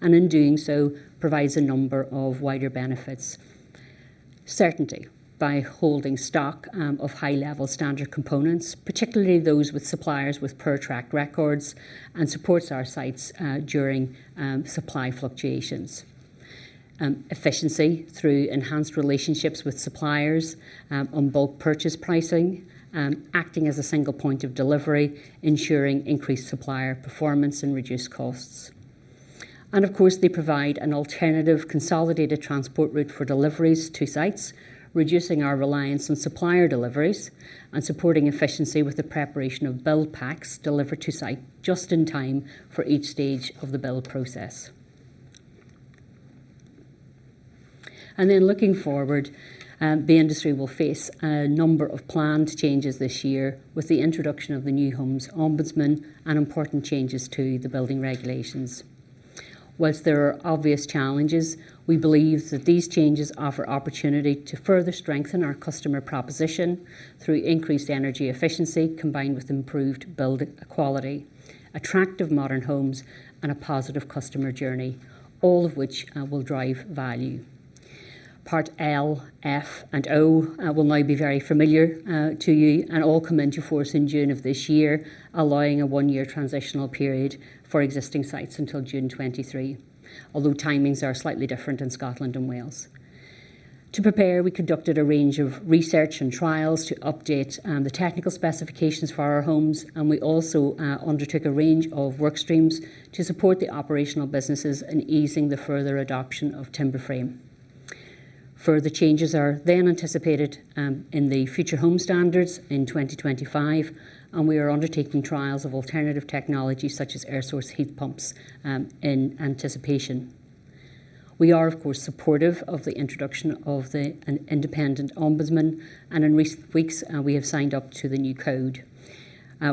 and in doing so, provides a number of wider benefits, certainty by holding stock of high level standard components, particularly those with suppliers with poor track records and supports our sites during supply fluctuations. Efficiency through enhanced relationships with suppliers, on bulk purchase pricing, acting as a single point of delivery, ensuring increased supplier performance and reduced costs. Of course, they provide an alternative consolidated transport route for deliveries to sites, reducing our reliance on supplier deliveries and supporting efficiency with the preparation of build packs delivered to site just in time for each stage of the build process. Looking forward, the industry will face a number of planned changes this year with the introduction of the New Homes Ombudsman and important changes to the building regulations. While there are obvious challenges, we believe that these changes offer opportunity to further strengthen our customer proposition through increased energy efficiency combined with improved build quality, attractive modern homes, and a positive customer journey, all of which will drive value. Part L, F, and O will now be very familiar to you and all come into force in June of this year, allowing a one-year transitional period for existing sites until June 2023. Although timings are slightly different in Scotland and Wales. To prepare, we conducted a range of research and trials to update the technical specifications for our homes, and we also undertook a range of work streams to support the operational businesses in easing the further adoption of timber frame. Further changes are then anticipated in the Future Homes Standard in 2025, and we are undertaking trials of alternative technologies such as air source heat pumps in anticipation. We are, of course, supportive of the introduction of an independent ombudsman, and in recent weeks we have signed up to the new code.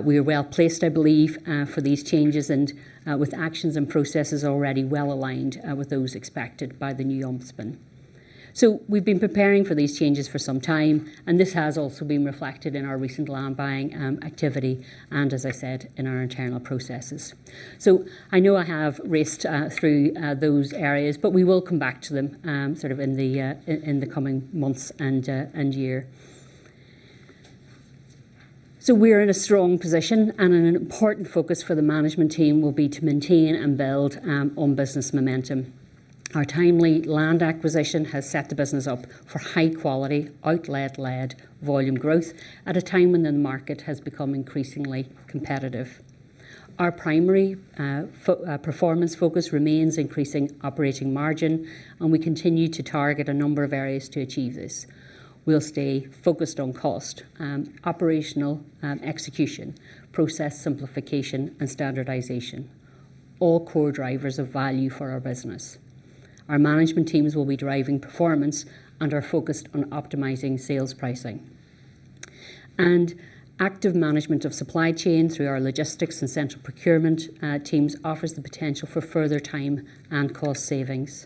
We are well-placed, I believe, for these changes and with actions and processes already well aligned with those expected by the new ombudsman. We've been preparing for these changes for some time, and this has also been reflected in our recent land buying activity and, as I said, in our internal processes. I know I have raced through those areas, but we will come back to them, sort of in the coming months and year. We're in a strong position, and an important focus for the management team will be to maintain and build on business momentum. Our timely land acquisition has set the business up for high quality, outlet-led volume growth at a time when the market has become increasingly competitive. Our primary performance focus remains increasing operating margin, and we continue to target a number of areas to achieve this. We'll stay focused on cost, operational execution, process simplification and standardization, all core drivers of value for our business. Our management teams will be driving performance and are focused on optimizing sales pricing. Active management of supply chain through our logistics and central procurement teams offers the potential for further time and cost savings.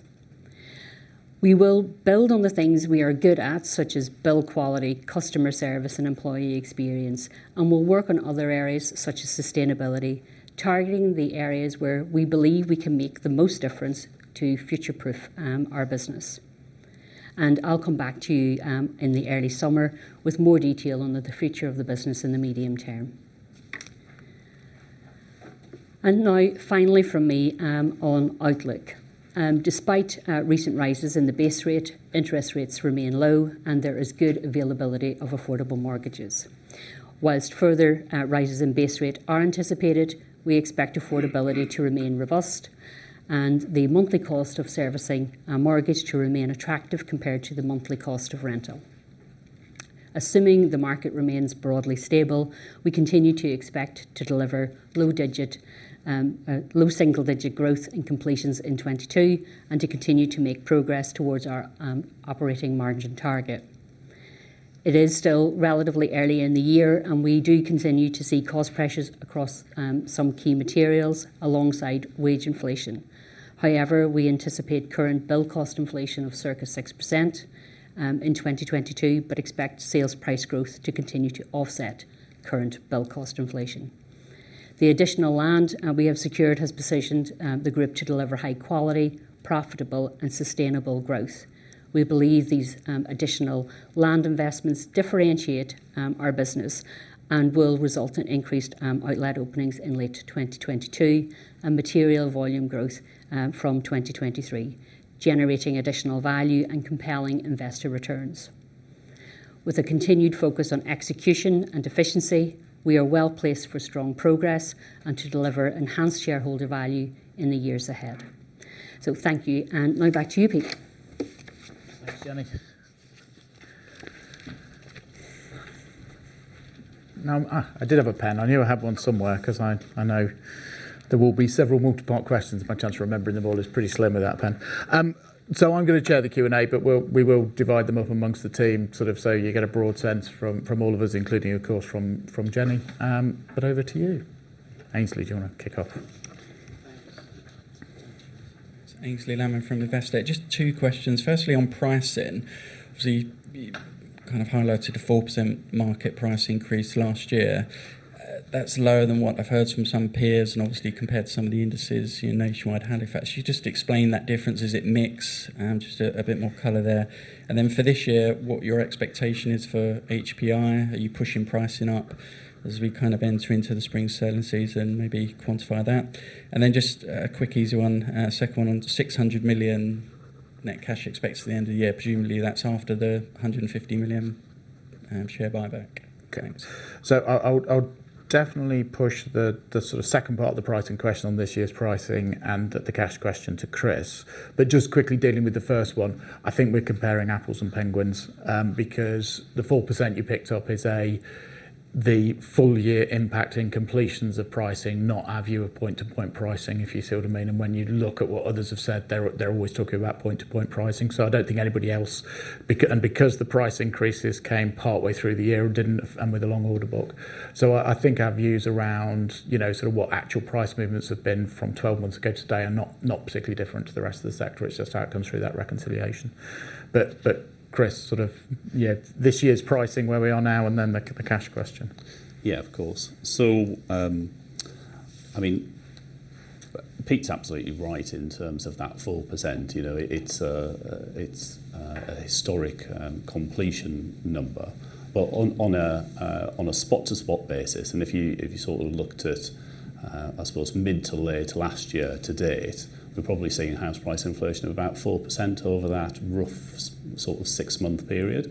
We will build on the things we are good at, such as build quality, customer service and employee experience, and we'll work on other areas such as sustainability, targeting the areas where we believe we can make the most difference to future-proof our business. I'll come back to you in the early summer with more detail on the future of the business in the medium term. Now finally from me on outlook. Despite recent rises in the base rate, interest rates remain low, and there is good availability of affordable mortgages. While further rises in base rate are anticipated, we expect affordability to remain robust and the monthly cost of servicing a mortgage to remain attractive compared to the monthly cost of rental. Assuming the market remains broadly stable, we continue to expect to deliver low single-digit growth in completions in 2022 and to continue to make progress towards our operating margin target. It is still relatively early in the year, and we do continue to see cost pressures across some key materials alongside wage inflation. However, we anticipate current build cost inflation of circa 6% in 2022, but expect sales price growth to continue to offset current build cost inflation. The additional land we have secured has positioned the group to deliver high quality, profitable and sustainable growth. We believe these additional land investments differentiate our business and will result in increased outlet openings in late 2022 and material volume growth from 2023, generating additional value and compelling investor returns. With a continued focus on execution and efficiency, we are well-placed for strong progress and to deliver enhanced shareholder value in the years ahead. Thank you and now back to you, Pete. Thanks, Jennie. Now, I did have a pen. I knew I had one somewhere 'cause I know there will be several multi-part questions. My chance of remembering them all is pretty slim without a pen. So I'm gonna chair the Q&A, but we'll divide them up amongst the team, sort of so you get a broad sense from all of us, including, of course, from Jennie. Over to you. Aynsley, do you wanna kick off? Thanks. It's Aynsley Lammin from Investec. Just two questions. Firstly, on pricing, so you kind of highlighted a 4% market price increase last year. That's lower than what I've heard from some peers and obviously compared to some of the indices, you know, Nationwide, Halifax. Could you just explain that difference? Is it mix? Just a bit more color there. Then for this year, what your expectation is for HPI? Are you pushing pricing up as we kind of enter into the spring selling season? Maybe quantify that. Then just a quick easy one, second one on 600 million net cash expected at the end of the year. Presumably, that's after the 150 million share buyback. Okay. I'll definitely push the sort of second part of the pricing question on this year's pricing and the cash question to Chris. Just quickly dealing with the first one, I think we're comparing apples and oranges, because the 4% you picked up is the full year impact in completions of pricing, not our view of point-to-point pricing, if you see what I mean. When you look at what others have said, they're always talking about point-to-point pricing. I don't think anybody else, because the price increases came partway through the year, didn't they, with a long order book. I think our views around, you know, sort of what actual price movements have been from 12 months ago to today are not particularly different to the rest of the sector. It's just how it comes through that reconciliation. Chris, sort of, yeah, this year's pricing where we are now and then the cash question. Yeah, of course. I mean, Pete's absolutely right in terms of that 4%. You know, it's a historic completion number. On a spot-to-spot basis, and if you sort of looked at, I suppose mid to late last year to date, we're probably seeing house price inflation of about 4% over that rough sort of six month period.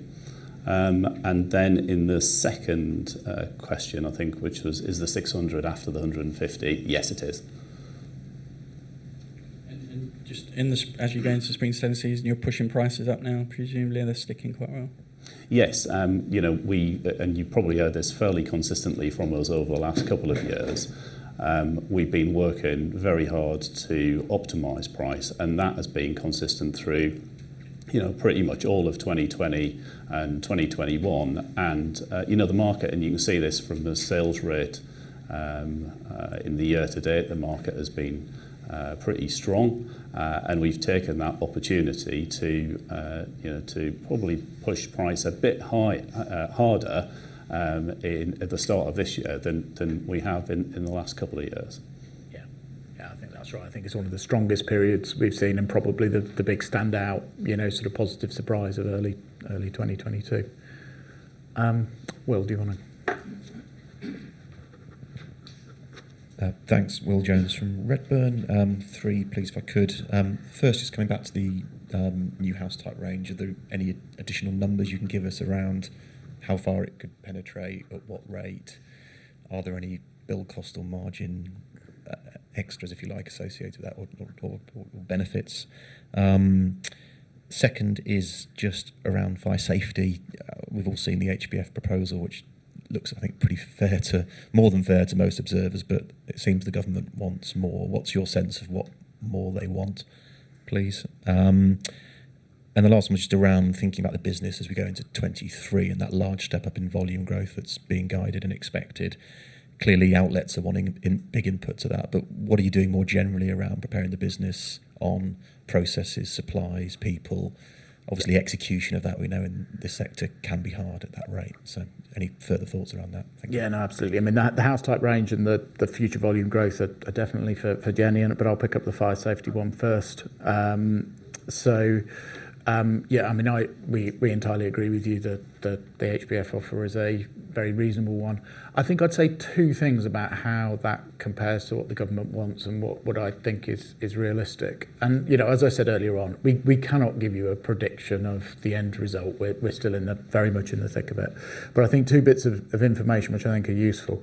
In the second question, I think, which was, is the 600 after the 150? Yes, it is. As you go into spring selling season, you're pushing prices up now, presumably they're sticking quite well? Yes. You know, you probably heard this fairly consistently from us over the last couple of years. We've been working very hard to optimize price, and that has been consistent through, you know, pretty much all of 2020 and 2021. You know, the market, and you can see this from the sales rate, in the year to date, the market has been pretty strong. We've taken that opportunity to, you know, to probably push price a bit higher, harder, at the start of this year than we have in the last couple of years. Yeah. Yeah, I think that's right. I think it's one of the strongest periods we've seen and probably the big standout, you know, sort of positive surprise of early 2022. Will, do you wanna... Thanks. Will Jones from Redburn. Three please, if I could. First, just coming back to the new house type range, are there any additional numbers you can give us around how far it could penetrate, at what rate? Are there any build cost or margin extras, if you like, associated with that or benefits? Second is just around fire safety. We've all seen the HBF proposal, which looks, I think, pretty fair to more than fair to most observers, but it seems the government wants more. What's your sense of what more they want, please? The last one, just around thinking about the business as we go into 2023 and that large step-up in volume growth that's being guided and expected. Clearly, outlets are wanting big input to that, but what are you doing more generally around preparing the business on processes, supplies, people? Obviously, execution of that we know in this sector can be hard at that rate. Any further thoughts around that? Thank you. Yeah, no, absolutely. I mean, the house type range and the future volume growth are definitely for Jennie. I'll pick up the fire safety one first. I mean, we entirely agree with you that the HBF offer is a very reasonable one. I think I'd say two things about how that compares to what the government wants and what I think is realistic. You know, as I said earlier on, we cannot give you a prediction of the end result. We're still very much in the thick of it. But I think two bits of information which I think are useful.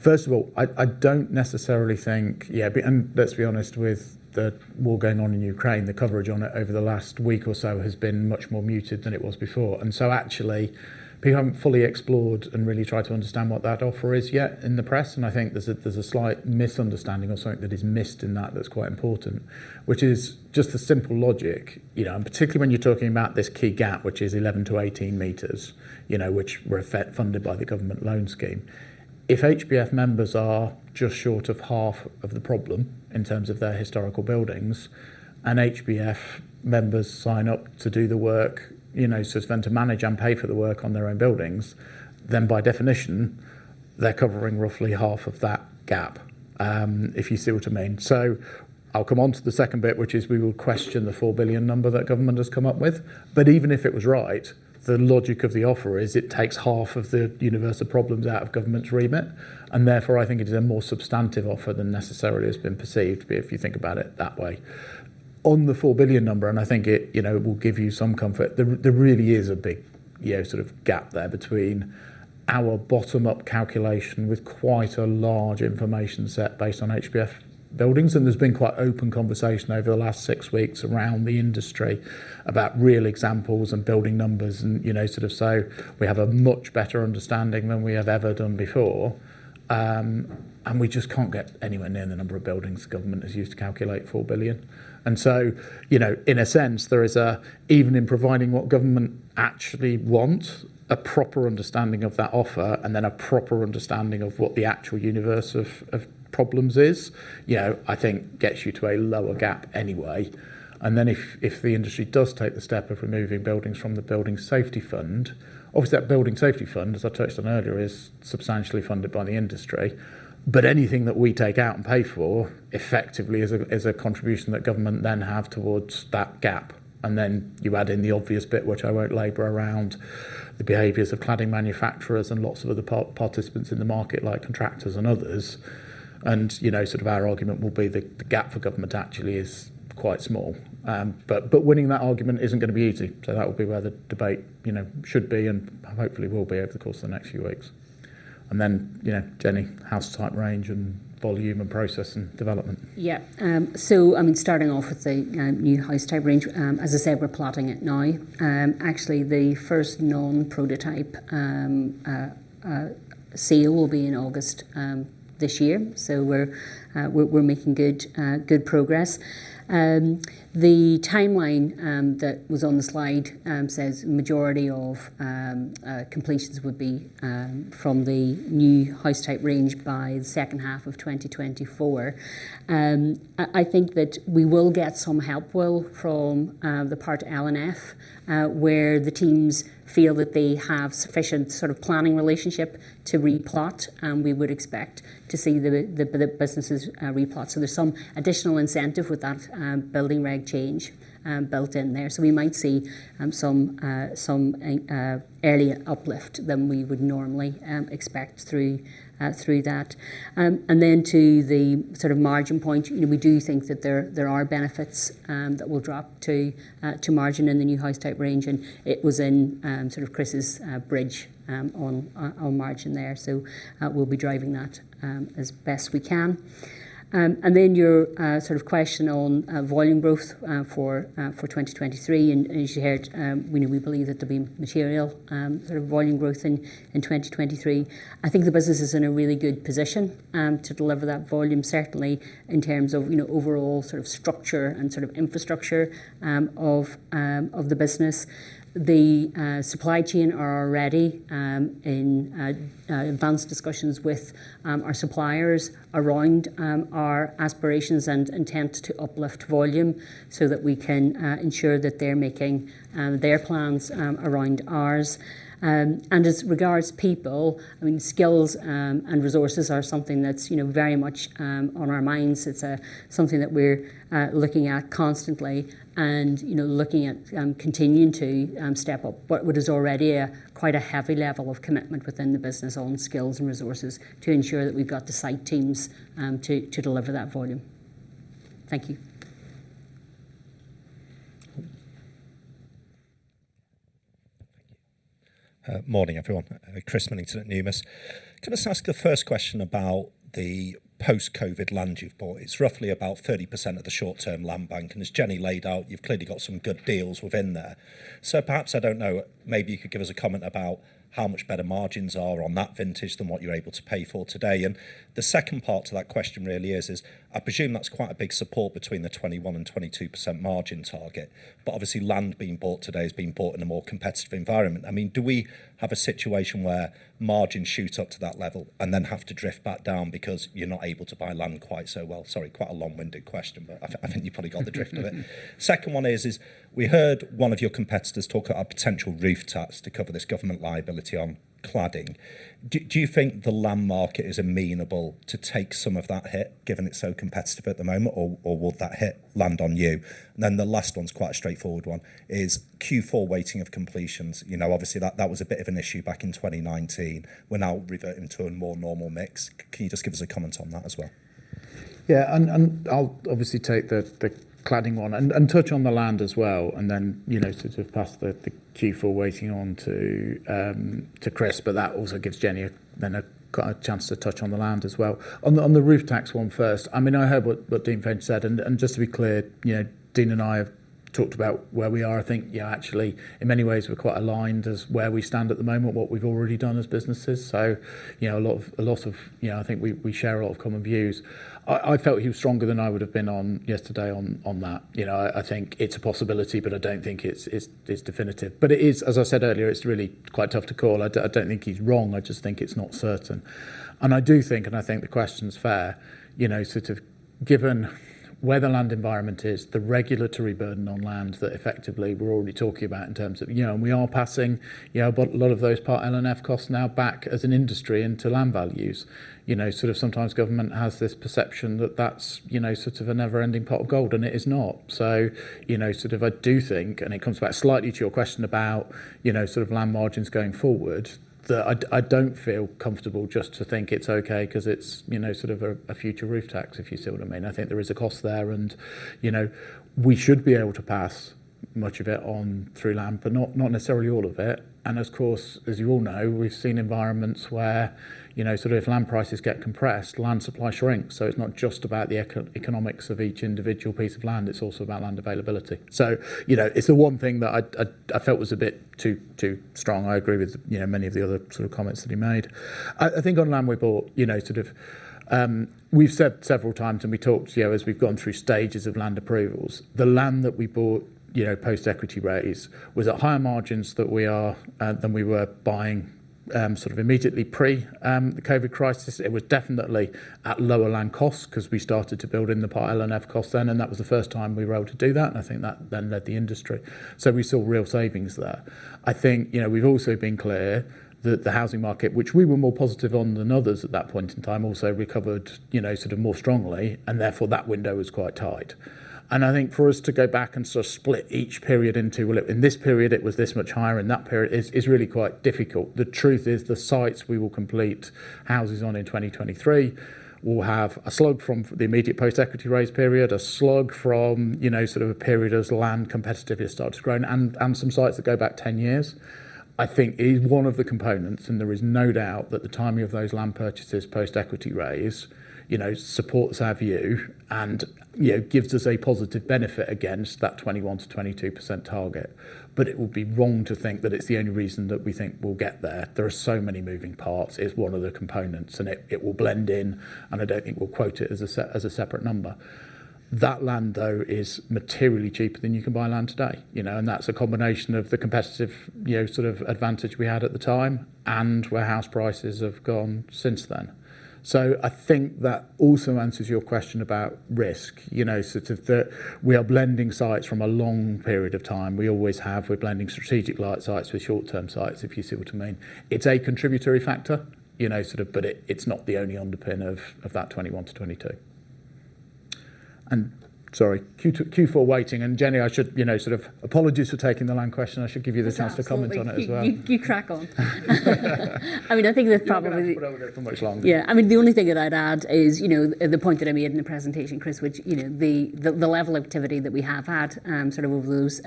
First of all, I don't necessarily think and let's be honest, with the war going on in Ukraine, the coverage on it over the last week or so has been much more muted than it was before. Actually, people haven't fully explored and really tried to understand what that offer is yet in the press. I think there's a slight misunderstanding or something that is missed in that that's quite important, which is just the simple logic, you know, and particularly when you're talking about this key gap, which is 11-18 meters, you know, which were pre-funded by the government loan scheme. If HBF members are just short of half of the problem in terms of their historical buildings, and HBF members sign up to do the work, you know, so it's then to manage and pay for the work on their own buildings, then by definition, they're covering roughly half of that gap, if you see what I mean. I'll come on to the second bit, which is we will question the 4 billion number that Government has come up with. Even if it was right, the logic of the offer is it takes half of the universe of problems out of Government's remit, and therefore, I think it is a more substantive offer than necessarily has been perceived, if you think about it that way. On the 4 billion number, I think it, you know, will give you some comfort. There really is a big, you know, sort of gap there between our bottom-up calculation with quite a large information set based on HBF buildings. There's been quite open conversation over the last six weeks around the industry about real examples and building numbers and, you know, sort of, we have a much better understanding than we have ever done before. We just can't get anywhere near the number of buildings government has used to calculate 4 billion. You know, in a sense, there is a even in providing what government actually want, a proper understanding of that offer and then a proper understanding of what the actual universe of problems is, you know, I think gets you to a lower gap anyway. If the industry does take the step of removing buildings from the Building Safety Fund, obviously, that Building Safety Fund, as I touched on earlier, is substantially funded by the industry. But anything that we take out and pay for effectively is a contribution that government then have towards that gap. You add in the obvious bit, which I won't elaborate on the behaviors of cladding manufacturers and lots of other participants in the market like contractors and others. You know, sort of our argument will be the gap for government actually is quite small. But winning that argument isn't gonna be easy. That will be where the debate, you know, should be and hopefully will be over the course of the next few weeks. Yeah, Jennie, house type range and volume and process and development. Yeah. I mean, starting off with the new house type range. As I said, we're plotting it now. Actually the first non-prototype sale will be in August this year. We're making good progress. The timeline that was on the slide says majority of completions would be from the new house type range by the second half of 2024. I think that we will get some help, Will, from the Part L and F where the teams feel that they have sufficient sort of planning relationship to replot, and we would expect to see the businesses replot. There's some additional incentive with that building reg change built in there. We might see some early uplift than we would normally expect through that. To the sort of margin point, you know, we do think that there are benefits that will drop to margin in the new house type range, and it was in sort of Chris's bridge on margin there. We'll be driving that as best we can. Then your sort of question on volume growth for 2023. As you heard, you know, we believe that there'll be material sort of volume growth in 2023. I think the business is in a really good position to deliver that volume, certainly in terms of, you know, overall sort of structure and sort of infrastructure of the business. The supply chain are already in advanced discussions with our suppliers around our aspirations and intent to uplift volume so that we can ensure that they're making their plans around ours. As regards people, I mean, skills and resources are something that's, you know, very much on our minds. It's something that we're looking at constantly and, you know, looking at continuing to step up what is already a quite a heavy level of commitment within the business on skills and resources to ensure that we've got the site teams to deliver that volume. Thank you. Thank you. Morning, everyone. Chris Millington at Numis. Can I just ask the first question about the post-COVID land you've bought? It's roughly about 30% of the short-term land bank, and as Jennie laid out, you've clearly got some good deals within there. Perhaps, I don't know, maybe you could give us a comment about how much better margins are on that vintage than what you're able to pay for today. The second part to that question really is I presume that's quite a big support between the 21%-22% margin target. Obviously land being bought today is being bought in a more competitive environment. I mean, do we have a situation where margins shoot up to that level and then have to drift back down because you're not able to buy land quite so well? Sorry, quite a long-winded question, but I think you've probably got the drift of it. Second one is, we heard one of your competitors talk about potential RPDT to cover this government liability on cladding. Do you think the land market is amenable to take some of that hit given it's so competitive at the moment, or will that hit land on you? Then the last one's quite a straightforward one, is Q4 weighting of completions. You know, obviously that was a bit of an issue back in 2019. We're now reverting to a more normal mix. Can you just give us a comment on that as well? I'll obviously take the cladding one and touch on the land as well and then, you know, sort of pass the Q4 weighting on to Chris. That also gives Jennie a chance to touch on the land as well. On the RPDT one first. I mean, I heard what Dean had said and just to be clear, you know, Dean and I have talked about where we are. I think yeah, actually in many ways we're quite aligned as where we stand at the moment, what we've already done as businesses. You know, a lot of, you know, I think we share a lot of common views. I felt he was stronger than I would've been on yesterday on that. You know, I think it's a possibility, but I don't think it's definitive. It is, as I said earlier, really quite tough to call. I don't think he's wrong, I just think it's not certain. I think the question's fair, you know, sort of given where the land environment is, the regulatory burden on land that effectively we're already talking about in terms of, you know, and we are passing, you know, a lot of those Part L and F costs now back as an industry into land values. You know, sort of sometimes government has this perception that that's, you know, sort of a never ending pot of gold, and it is not. You know, sort of I do think, and it comes back slightly to your question about, you know, sort of land margins going forward, that I don't feel comfortable just to think it's okay 'cause it's, you know, sort of a RPDT, if you see what I mean. I think there is a cost there and, you know, we should be able to pass much of it on through land, but not necessarily all of it. Of course, as you all know, we've seen environments where, you know, sort of if land prices get compressed, land supply shrinks. It's not just about the economics of each individual piece of land, it's also about land availability. You know, it's the one thing that I felt was a bit too strong. I agree with, you know, many of the other sort of comments that he made. I think on land we bought, you know, sort of, we've said several times and we talked, you know, as we've gone through stages of land approvals, the land that we bought, you know, post equity raise was at higher margins than we were buying, sort of immediately pre the COVID crisis. It was definitely at lower land costs 'cause we started to build in thePart L and F costs then, and that was the first time we were able to do that, and I think that then led the industry. We saw real savings there. I think, you know, we've also been clear that the housing market, which we were more positive on than others at that point in time, also recovered, you know, sort of more strongly, and therefore that window was quite tight. I think for us to go back and sort of split each period into, "Well, in this period, it was this much higher, in that period," is really quite difficult. The truth is the sites we will complete houses on in 2023 will have a slug from the immediate post-equity raise period, a slug from, you know, sort of a period as land competitiveness starts growing and some sites that go back 10 years. I think it is one of the components, and there is no doubt that the timing of those land purchases post equity raise, you know, supports our view and, you know, gives us a positive benefit against that 21%-22% target. It would be wrong to think that it's the only reason that we think we'll get there. There are so many moving parts. It's one of the components, and it will blend in, and I don't think we'll quote it as a separate number. That land, though, is materially cheaper than you can buy land today. You know, and that's a combination of the competitive, you know, sort of advantage we had at the time and where house prices have gone since then. I think that also answers your question about risk. You know, sort of we are blending sites from a long period of time. We always have. We're blending strategic sites with short-term sites, if you see what I mean. It's a contributory factor, you know, sort of, but it's not the only underpin of that 21-22 Q4 weighting. Sorry, Jennie, I should, you know, sort of apologies for taking the land question. I should give you the chance to comment on it as well. Yeah, absolutely. You crack on. I mean, I think there's probably- You don't have to put over there for much longer. Yeah. I mean, the only thing that I'd add is, you know, the point that I made in the presentation, Chris, which, you know, the level of activity that we have had sort of over those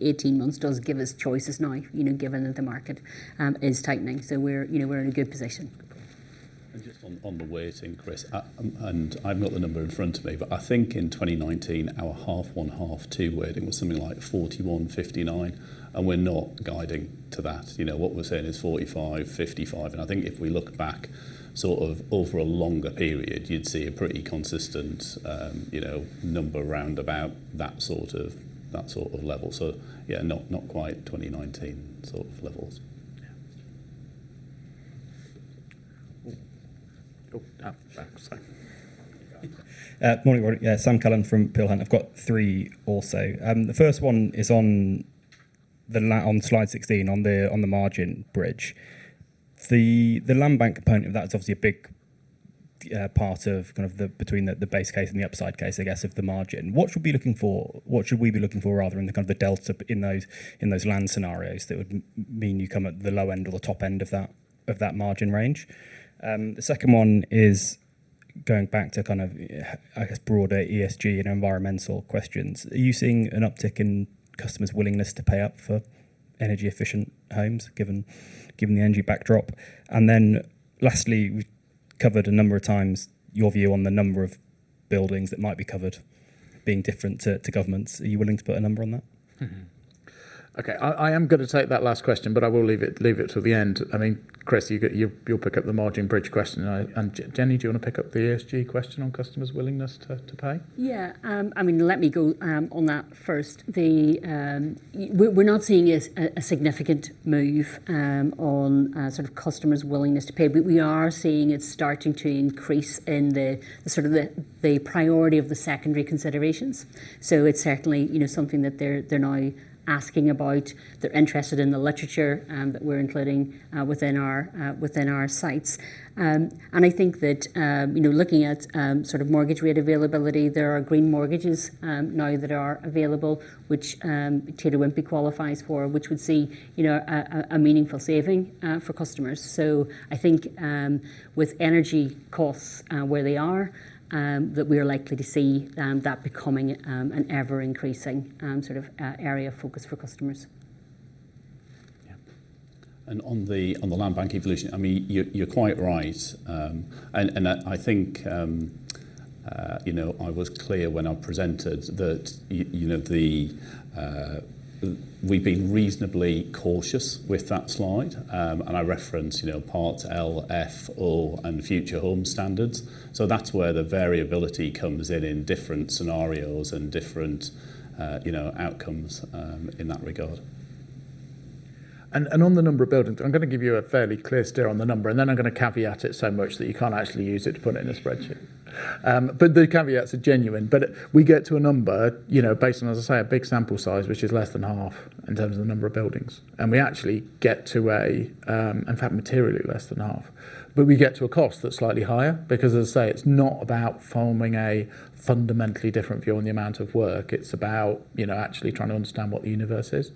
18 months does give us choices now, you know, given that the market is tightening. We're in a good position. Just on the weighting, Chris. I've not the number in front of me, but I think in 2019 our H1 H2 weighting was something like 41-59, and we're not guiding to that. You know, what we're saying is 45-55. I think if we look back sort of over a longer period, you'd see a pretty consistent, you know, number around about that sort of, that sort of level. Yeah, not quite 2019 sort of levels. Yeah. Oh, sorry. Morning. Sam Cullen from Peel Hunt. I've got three also. The first one is on slide 16 on the margin bridge. The land bank component of that is obviously a big part of the difference between the base case and the upside case, I guess, of the margin. What should we be looking for rather in the delta in those land scenarios that would mean you come at the low end or the top end of that margin range? The second one is going back to broader ESG and environmental questions. Are you seeing an uptick in customers' willingness to pay up for energy efficient homes given the energy backdrop? Lastly, we've covered a number of times your view on the number of buildings that might be covered being different to governments. Are you willing to put a number on that? Okay. I am gonna take that last question, but I will leave it to the end. I mean, Chris, you'll pick up the margin bridge question. Jennie, do you wanna pick up the ESG question on customers' willingness to pay? Yeah. I mean, let me go on that first. We're not seeing a significant move on sort of customers' willingness to pay. We are seeing it starting to increase in the sort of the priority of the secondary considerations. It's certainly, you know, something that they're now asking about. They're interested in the literature that we're including within our sites. I think that, you know, looking at sort of mortgage rate availability, there are green mortgages now that are available, which Taylor Wimpey qualifies for, which would see, you know, a meaningful saving for customers. I think, with energy costs where they are, that we are likely to see that becoming an ever increasing sort of area of focus for customers. Yeah. On the land bank evolution, I mean, you're quite right. I think you know, I was clear when I presented that you know, we've been reasonably cautious with that slide. I reference you know, Part L,F,O, and Future Homes Standard. So that's where the variability comes in in different scenarios and different outcomes in that regard. On the number of buildings, I'm gonna give you a fairly clear steer on the number, and then I'm gonna caveat it so much that you can't actually use it to put it in a spreadsheet. The caveats are genuine. We get to a number you know, based on, as I say, a big sample size, which is less than half in terms of the number of buildings. We actually get to a in fact materially less than half. We get to a cost that's slightly higher because, as I say, it's not about forming a fundamentally different view on the amount of work. It's about, you know, actually trying to understand what the universe is.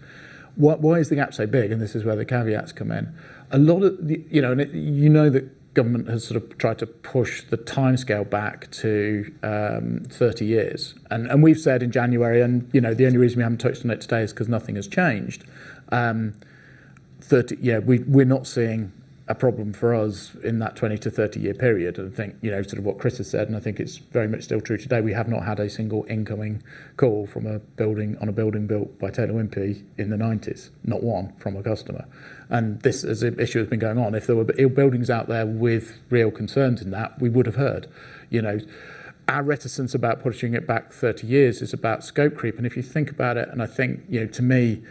Why is the gap so big? This is where the caveats come in. A lot of the, you know, you know that government has sort of tried to push the timescale back to 30 years. We've said in January, and, you know, the only reason we haven't touched on it today is 'cause nothing has changed. Yeah, we're not seeing a problem for us in that 20- to 30-year period. I think, you know, sort of what Chris has said, and I think it's very much still true today. We have not had a single incoming call from a building, on a building built by Taylor Wimpey in the 1990s, not one from a customer. This as an issue has been going on. If there were buildings out there with real concerns in that, we would have heard. You know, our reticence about pushing it back 30 years is about scope creep. If you think about it, and I think, you know, to me,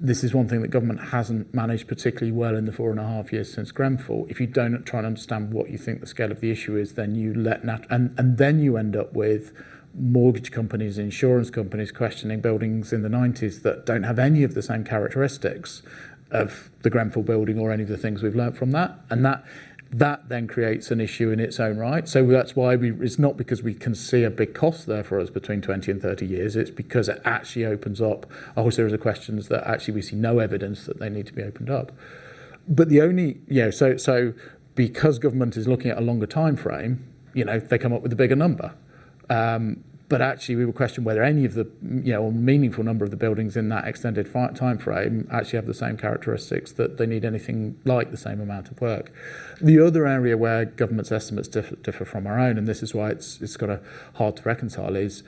this is one thing that government hasn't managed particularly well in the 4.5 years since Grenfell. If you don't try and understand what you think the scale of the issue is, then you let that and then you end up with mortgage companies, insurance companies questioning buildings in the nineties that don't have any of the same characteristics of the Grenfell building or any of the things we've learned from that. That then creates an issue in its own right. That's why it's not because we can see a big cost there for us between 20 and 30 years, it's because it actually opens up a whole series of questions that actually we see no evidence that they need to be opened up. You know, so because government is looking at a longer time frame, you know, they come up with a bigger number. Actually we would question whether any of the, you know, or meaningful number of the buildings in that extended time frame actually have the same characteristics that they need anything like the same amount of work. The other area where government's estimates differ from our own, and this is why it's hard to reconcile, is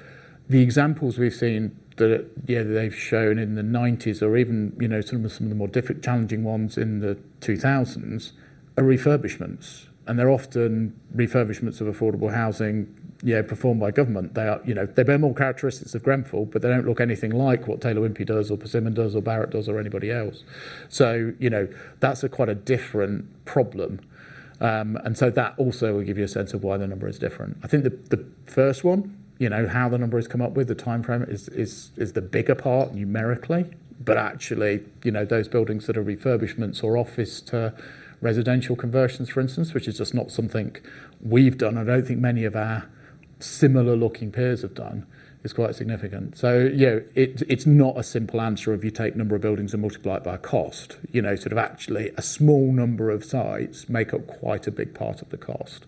the examples we've seen that, yeah, they've shown in the nineties or even, you know, some of the more difficult challenging ones in the 2000s are refurbishments. They're often refurbishments of affordable housing, yeah, performed by government. They are, you know, they bear more characteristics of Grenfell, but they don't look anything like what Taylor Wimpey does or Persimmon does or Barratt does or anybody else. You know, that's a quite a different problem. That also will give you a sense of why the number is different. I think the first one, you know, how the number is come up with, the time frame is the bigger part numerically. Actually, you know, those buildings that are refurbishments or office to residential conversions, for instance, which is just not something we've done, I don't think many of our similar-looking peers have done, is quite significant. You know, it's not a simple answer of you take number of buildings and multiply it by cost. You know, sort of actually a small number of sites make up quite a big part of the cost.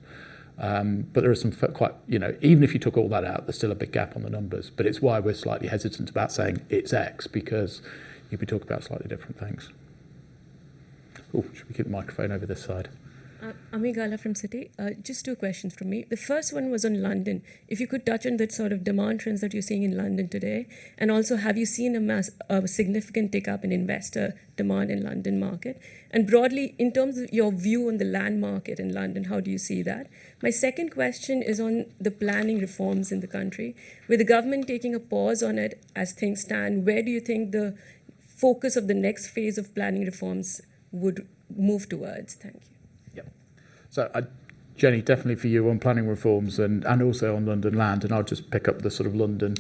There are some quite, you know, even if you took all that out, there's still a big gap on the numbers. It's why we're slightly hesitant about saying it's X, because you could talk about slightly different things. Oh, should we give the microphone over this side? Ami Galla from Citi. Just two questions from me. The first one was on London. If you could touch on the sort of demand trends that you're seeing in London today? Also have you seen a significant tick up in investor demand in London market? Broadly, in terms of your view on the land market in London, how do you see that? My second question is on the planning reforms in the country. With the government taking a pause on it as things stand, where do you think the focus of the next phase of planning reforms would move towards? Thank you. I, Jennie, definitely for you on planning reforms and also on London land, and I'll just pick up the sort of London,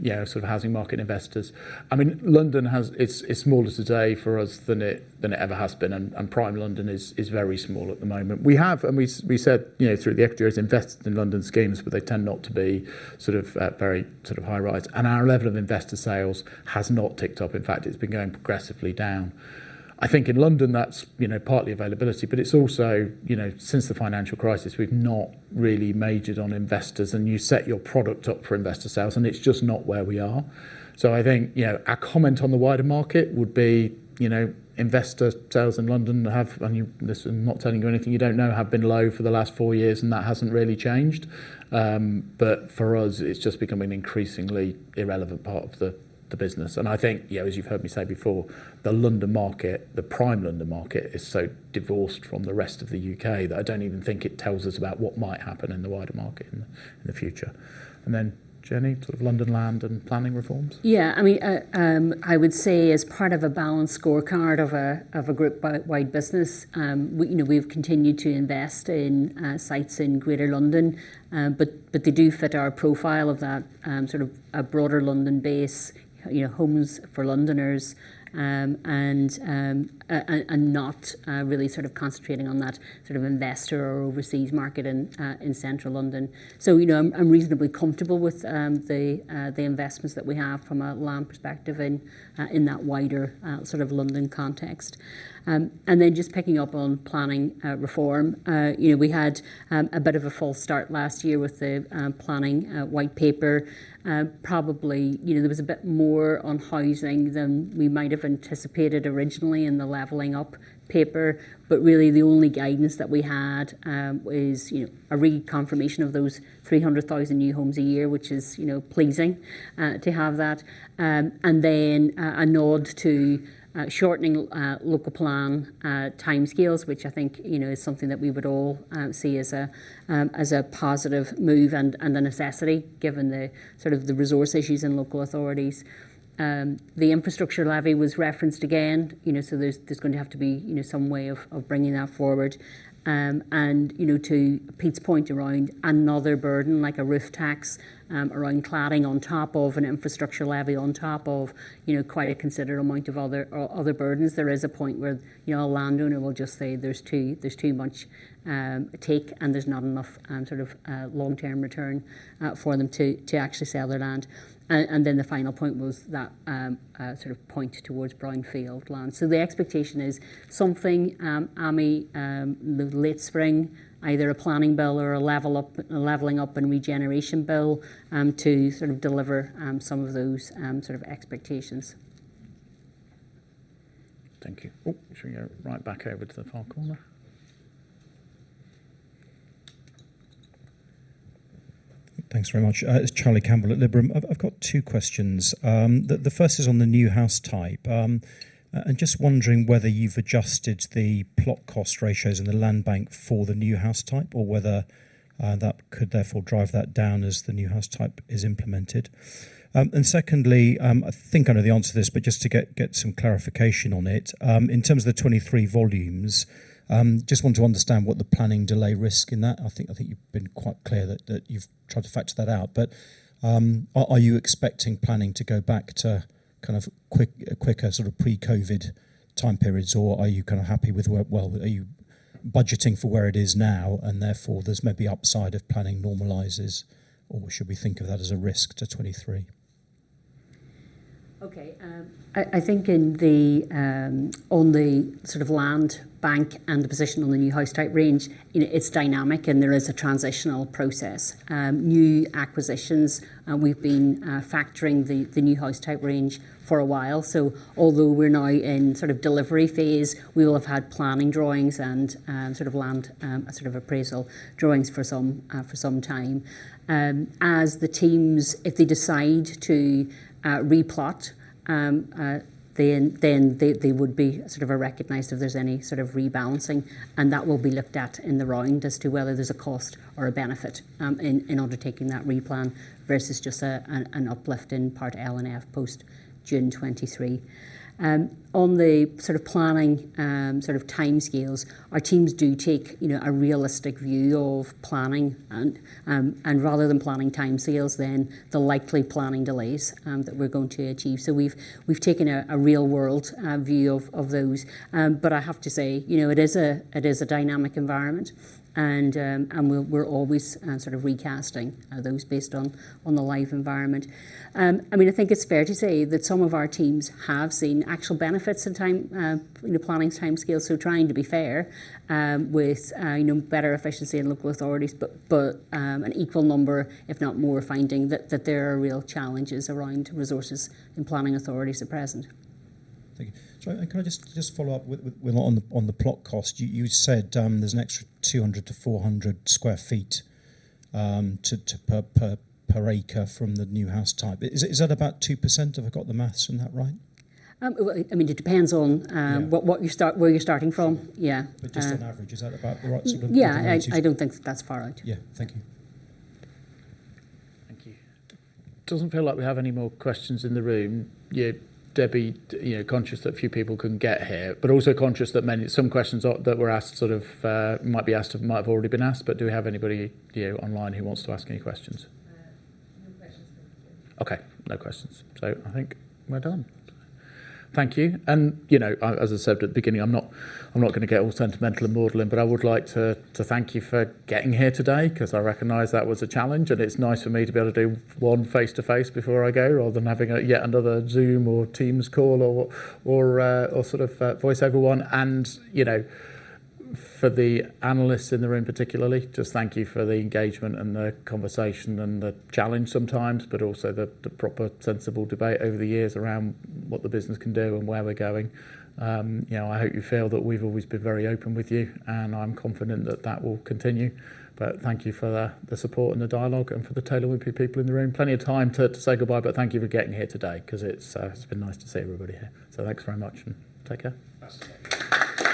you know, sort of housing market investors. I mean, London has, it's smaller today for us than it ever has been. Prime London is very small at the moment. We have, and we said, you know, through the years, invested in London schemes, but they tend not to be sort of very sort of high rise. Our level of investor sales has not ticked up. In fact, it's been going progressively down. I think in London that's, you know, partly availability, but it's also, you know, since the financial crisis, we've not really majored on investors. You set your product up for investor sales and it's just not where we are. I think, you know, our comment on the wider market would be, you know, investor sales in London, this is not telling you anything you don't know, have been low for the last four years, and that hasn't really changed. For us, it's just become an increasingly irrelevant part of the business. I think, you know, as you've heard me say before, the London market, the prime London market is so divorced from the rest of the U.K. that I don't even think it tells us about what might happen in the wider market in the future. Then Jennie, sort of London land and planning reforms? Yeah, I mean, I would say as part of a balanced scorecard of a group-wide business, you know, we've continued to invest in sites in Greater London, but they do fit our profile of that sort of a broader London base, you know, homes for Londoners, and not really sort of concentrating on that sort of investor or overseas market in Central London. So, you know, I'm reasonably comfortable with the investments that we have from a land perspective in that wider sort of London context. Just picking up on planning reform. You know, we had a bit of a false start last year with the Planning White Paper. Probably, you know, there was a bit more on housing than we might have anticipated originally in the Levelling Up paper. Really the only guidance that we had is, you know, a reconfirmation of those 300,000 new homes a year, which is, you know, pleasing to have that. A nod to shortening local plan timescales, which I think, you know, is something that we would all see as a positive move and a necessity given the sort of the resource issues in local authorities. The infrastructure levy was referenced again, you know. There's going to have to be, you know, some way of bringing that forward. To Pete's point around another burden like a roof tax, around cladding on top of an infrastructure levy, on top of, you know, quite a considerable amount of other burdens. There is a point where, you know, a landowner will just say there's too much take and there's not enough sort of long-term return for them to actually sell their land. Then the final point was that sort of point towards brownfield land. The expectation is something, Ami, late spring, either a planning bill or a Levelling Up and Regeneration Bill, to sort of deliver some of those sort of expectations. Thank you. Oh, should we go right back over to the far corner? Thanks very much. It's Charlie Campbell at Liberum. I've got two questions. The first is on the new house type. Just wondering whether you've adjusted the plot cost ratios in the land bank for the new house type or whether that could therefore drive that down as the new house type is implemented. Secondly, I think I know the answer to this, but just to get some clarification on it. In terms of the 2023 volumes, just want to understand what the planning delay risk in that. I think you've been quite clear that you've tried to factor that out. Are you expecting planning to go back to kind of quicker sort of pre-COVID time periods, or are you kind of happy with where it is now? Well, are you budgeting for where it is now and therefore there's maybe upside if planning normalizes, or should we think of that as a risk to 2023? Okay. I think on the sort of land bank and the position on the new house type range, you know, it's dynamic and there is a transitional process. New acquisitions, and we've been factoring the new house type range for a while. Although we're now in sort of delivery phase, we will have had planning drawings and sort of land appraisal drawings for some time. As the teams, if they decide to replot, then they would be sort of recognized if there's any sort of rebalancing, and that will be looked at in the round as to whether there's a cost or a benefit in undertaking that replan versus just an uplift in Part L and F post-June 2023. On the sort of planning sort of timescales, our teams do take, you know, a realistic view of planning and rather than planning timescales then the likely planning delays that we're going to achieve. We've taken a real-world view of those. I have to say, you know, it is a dynamic environment and we're always sort of recasting those based on the live environment. I mean, I think it's fair to say that some of our teams have seen actual benefits in time, you know, planning timescales, so trying to be fair with, you know, better efficiency in local authorities but an equal number if not more finding that there are real challenges around resources and planning authorities at present. Thank you. Sorry, can I just follow up with on the plot cost. You said there's an extra 200-400 sq ft per acre from the new house type. Is that about 2%? Have I got the math on that right? Well, I mean, it depends on. Yeah. Where you're starting from. Sure. Yeah. Just on average, is that about the right sort of percentages? Yeah. I don't think that's far out. Yeah. Thank you. Thank you. Doesn't feel like we have any more questions in the room. Yeah, Debbie, you know, conscious that a few people couldn't get here, but also conscious that many some questions that were asked sort of might have already been asked, but do we have anybody, you know, online who wants to ask any questions? No questions from. Okay, no questions. I think we're done. Thank you. You know, as I said at the beginning, I'm not gonna get all sentimental and maudlin, but I would like to thank you for getting here today 'cause I recognize that was a challenge, and it's nice for me to be able to do one face-to-face before I go rather than having yet another Zoom or Teams call or sort of a voice over one. You know, for the analysts in the room particularly, just thank you for the engagement and the conversation and the challenge sometimes, but also the proper sensible debate over the years around what the business can do and where we're going. You know, I hope you feel that we've always been very open with you, and I'm confident that that will continue. Thank you for the support and the dialogue and for the Taylor Wimpey people in the room. Plenty of time to say goodbye, but thank you for getting here today 'cause it's been nice to see everybody here. Thanks very much and take care.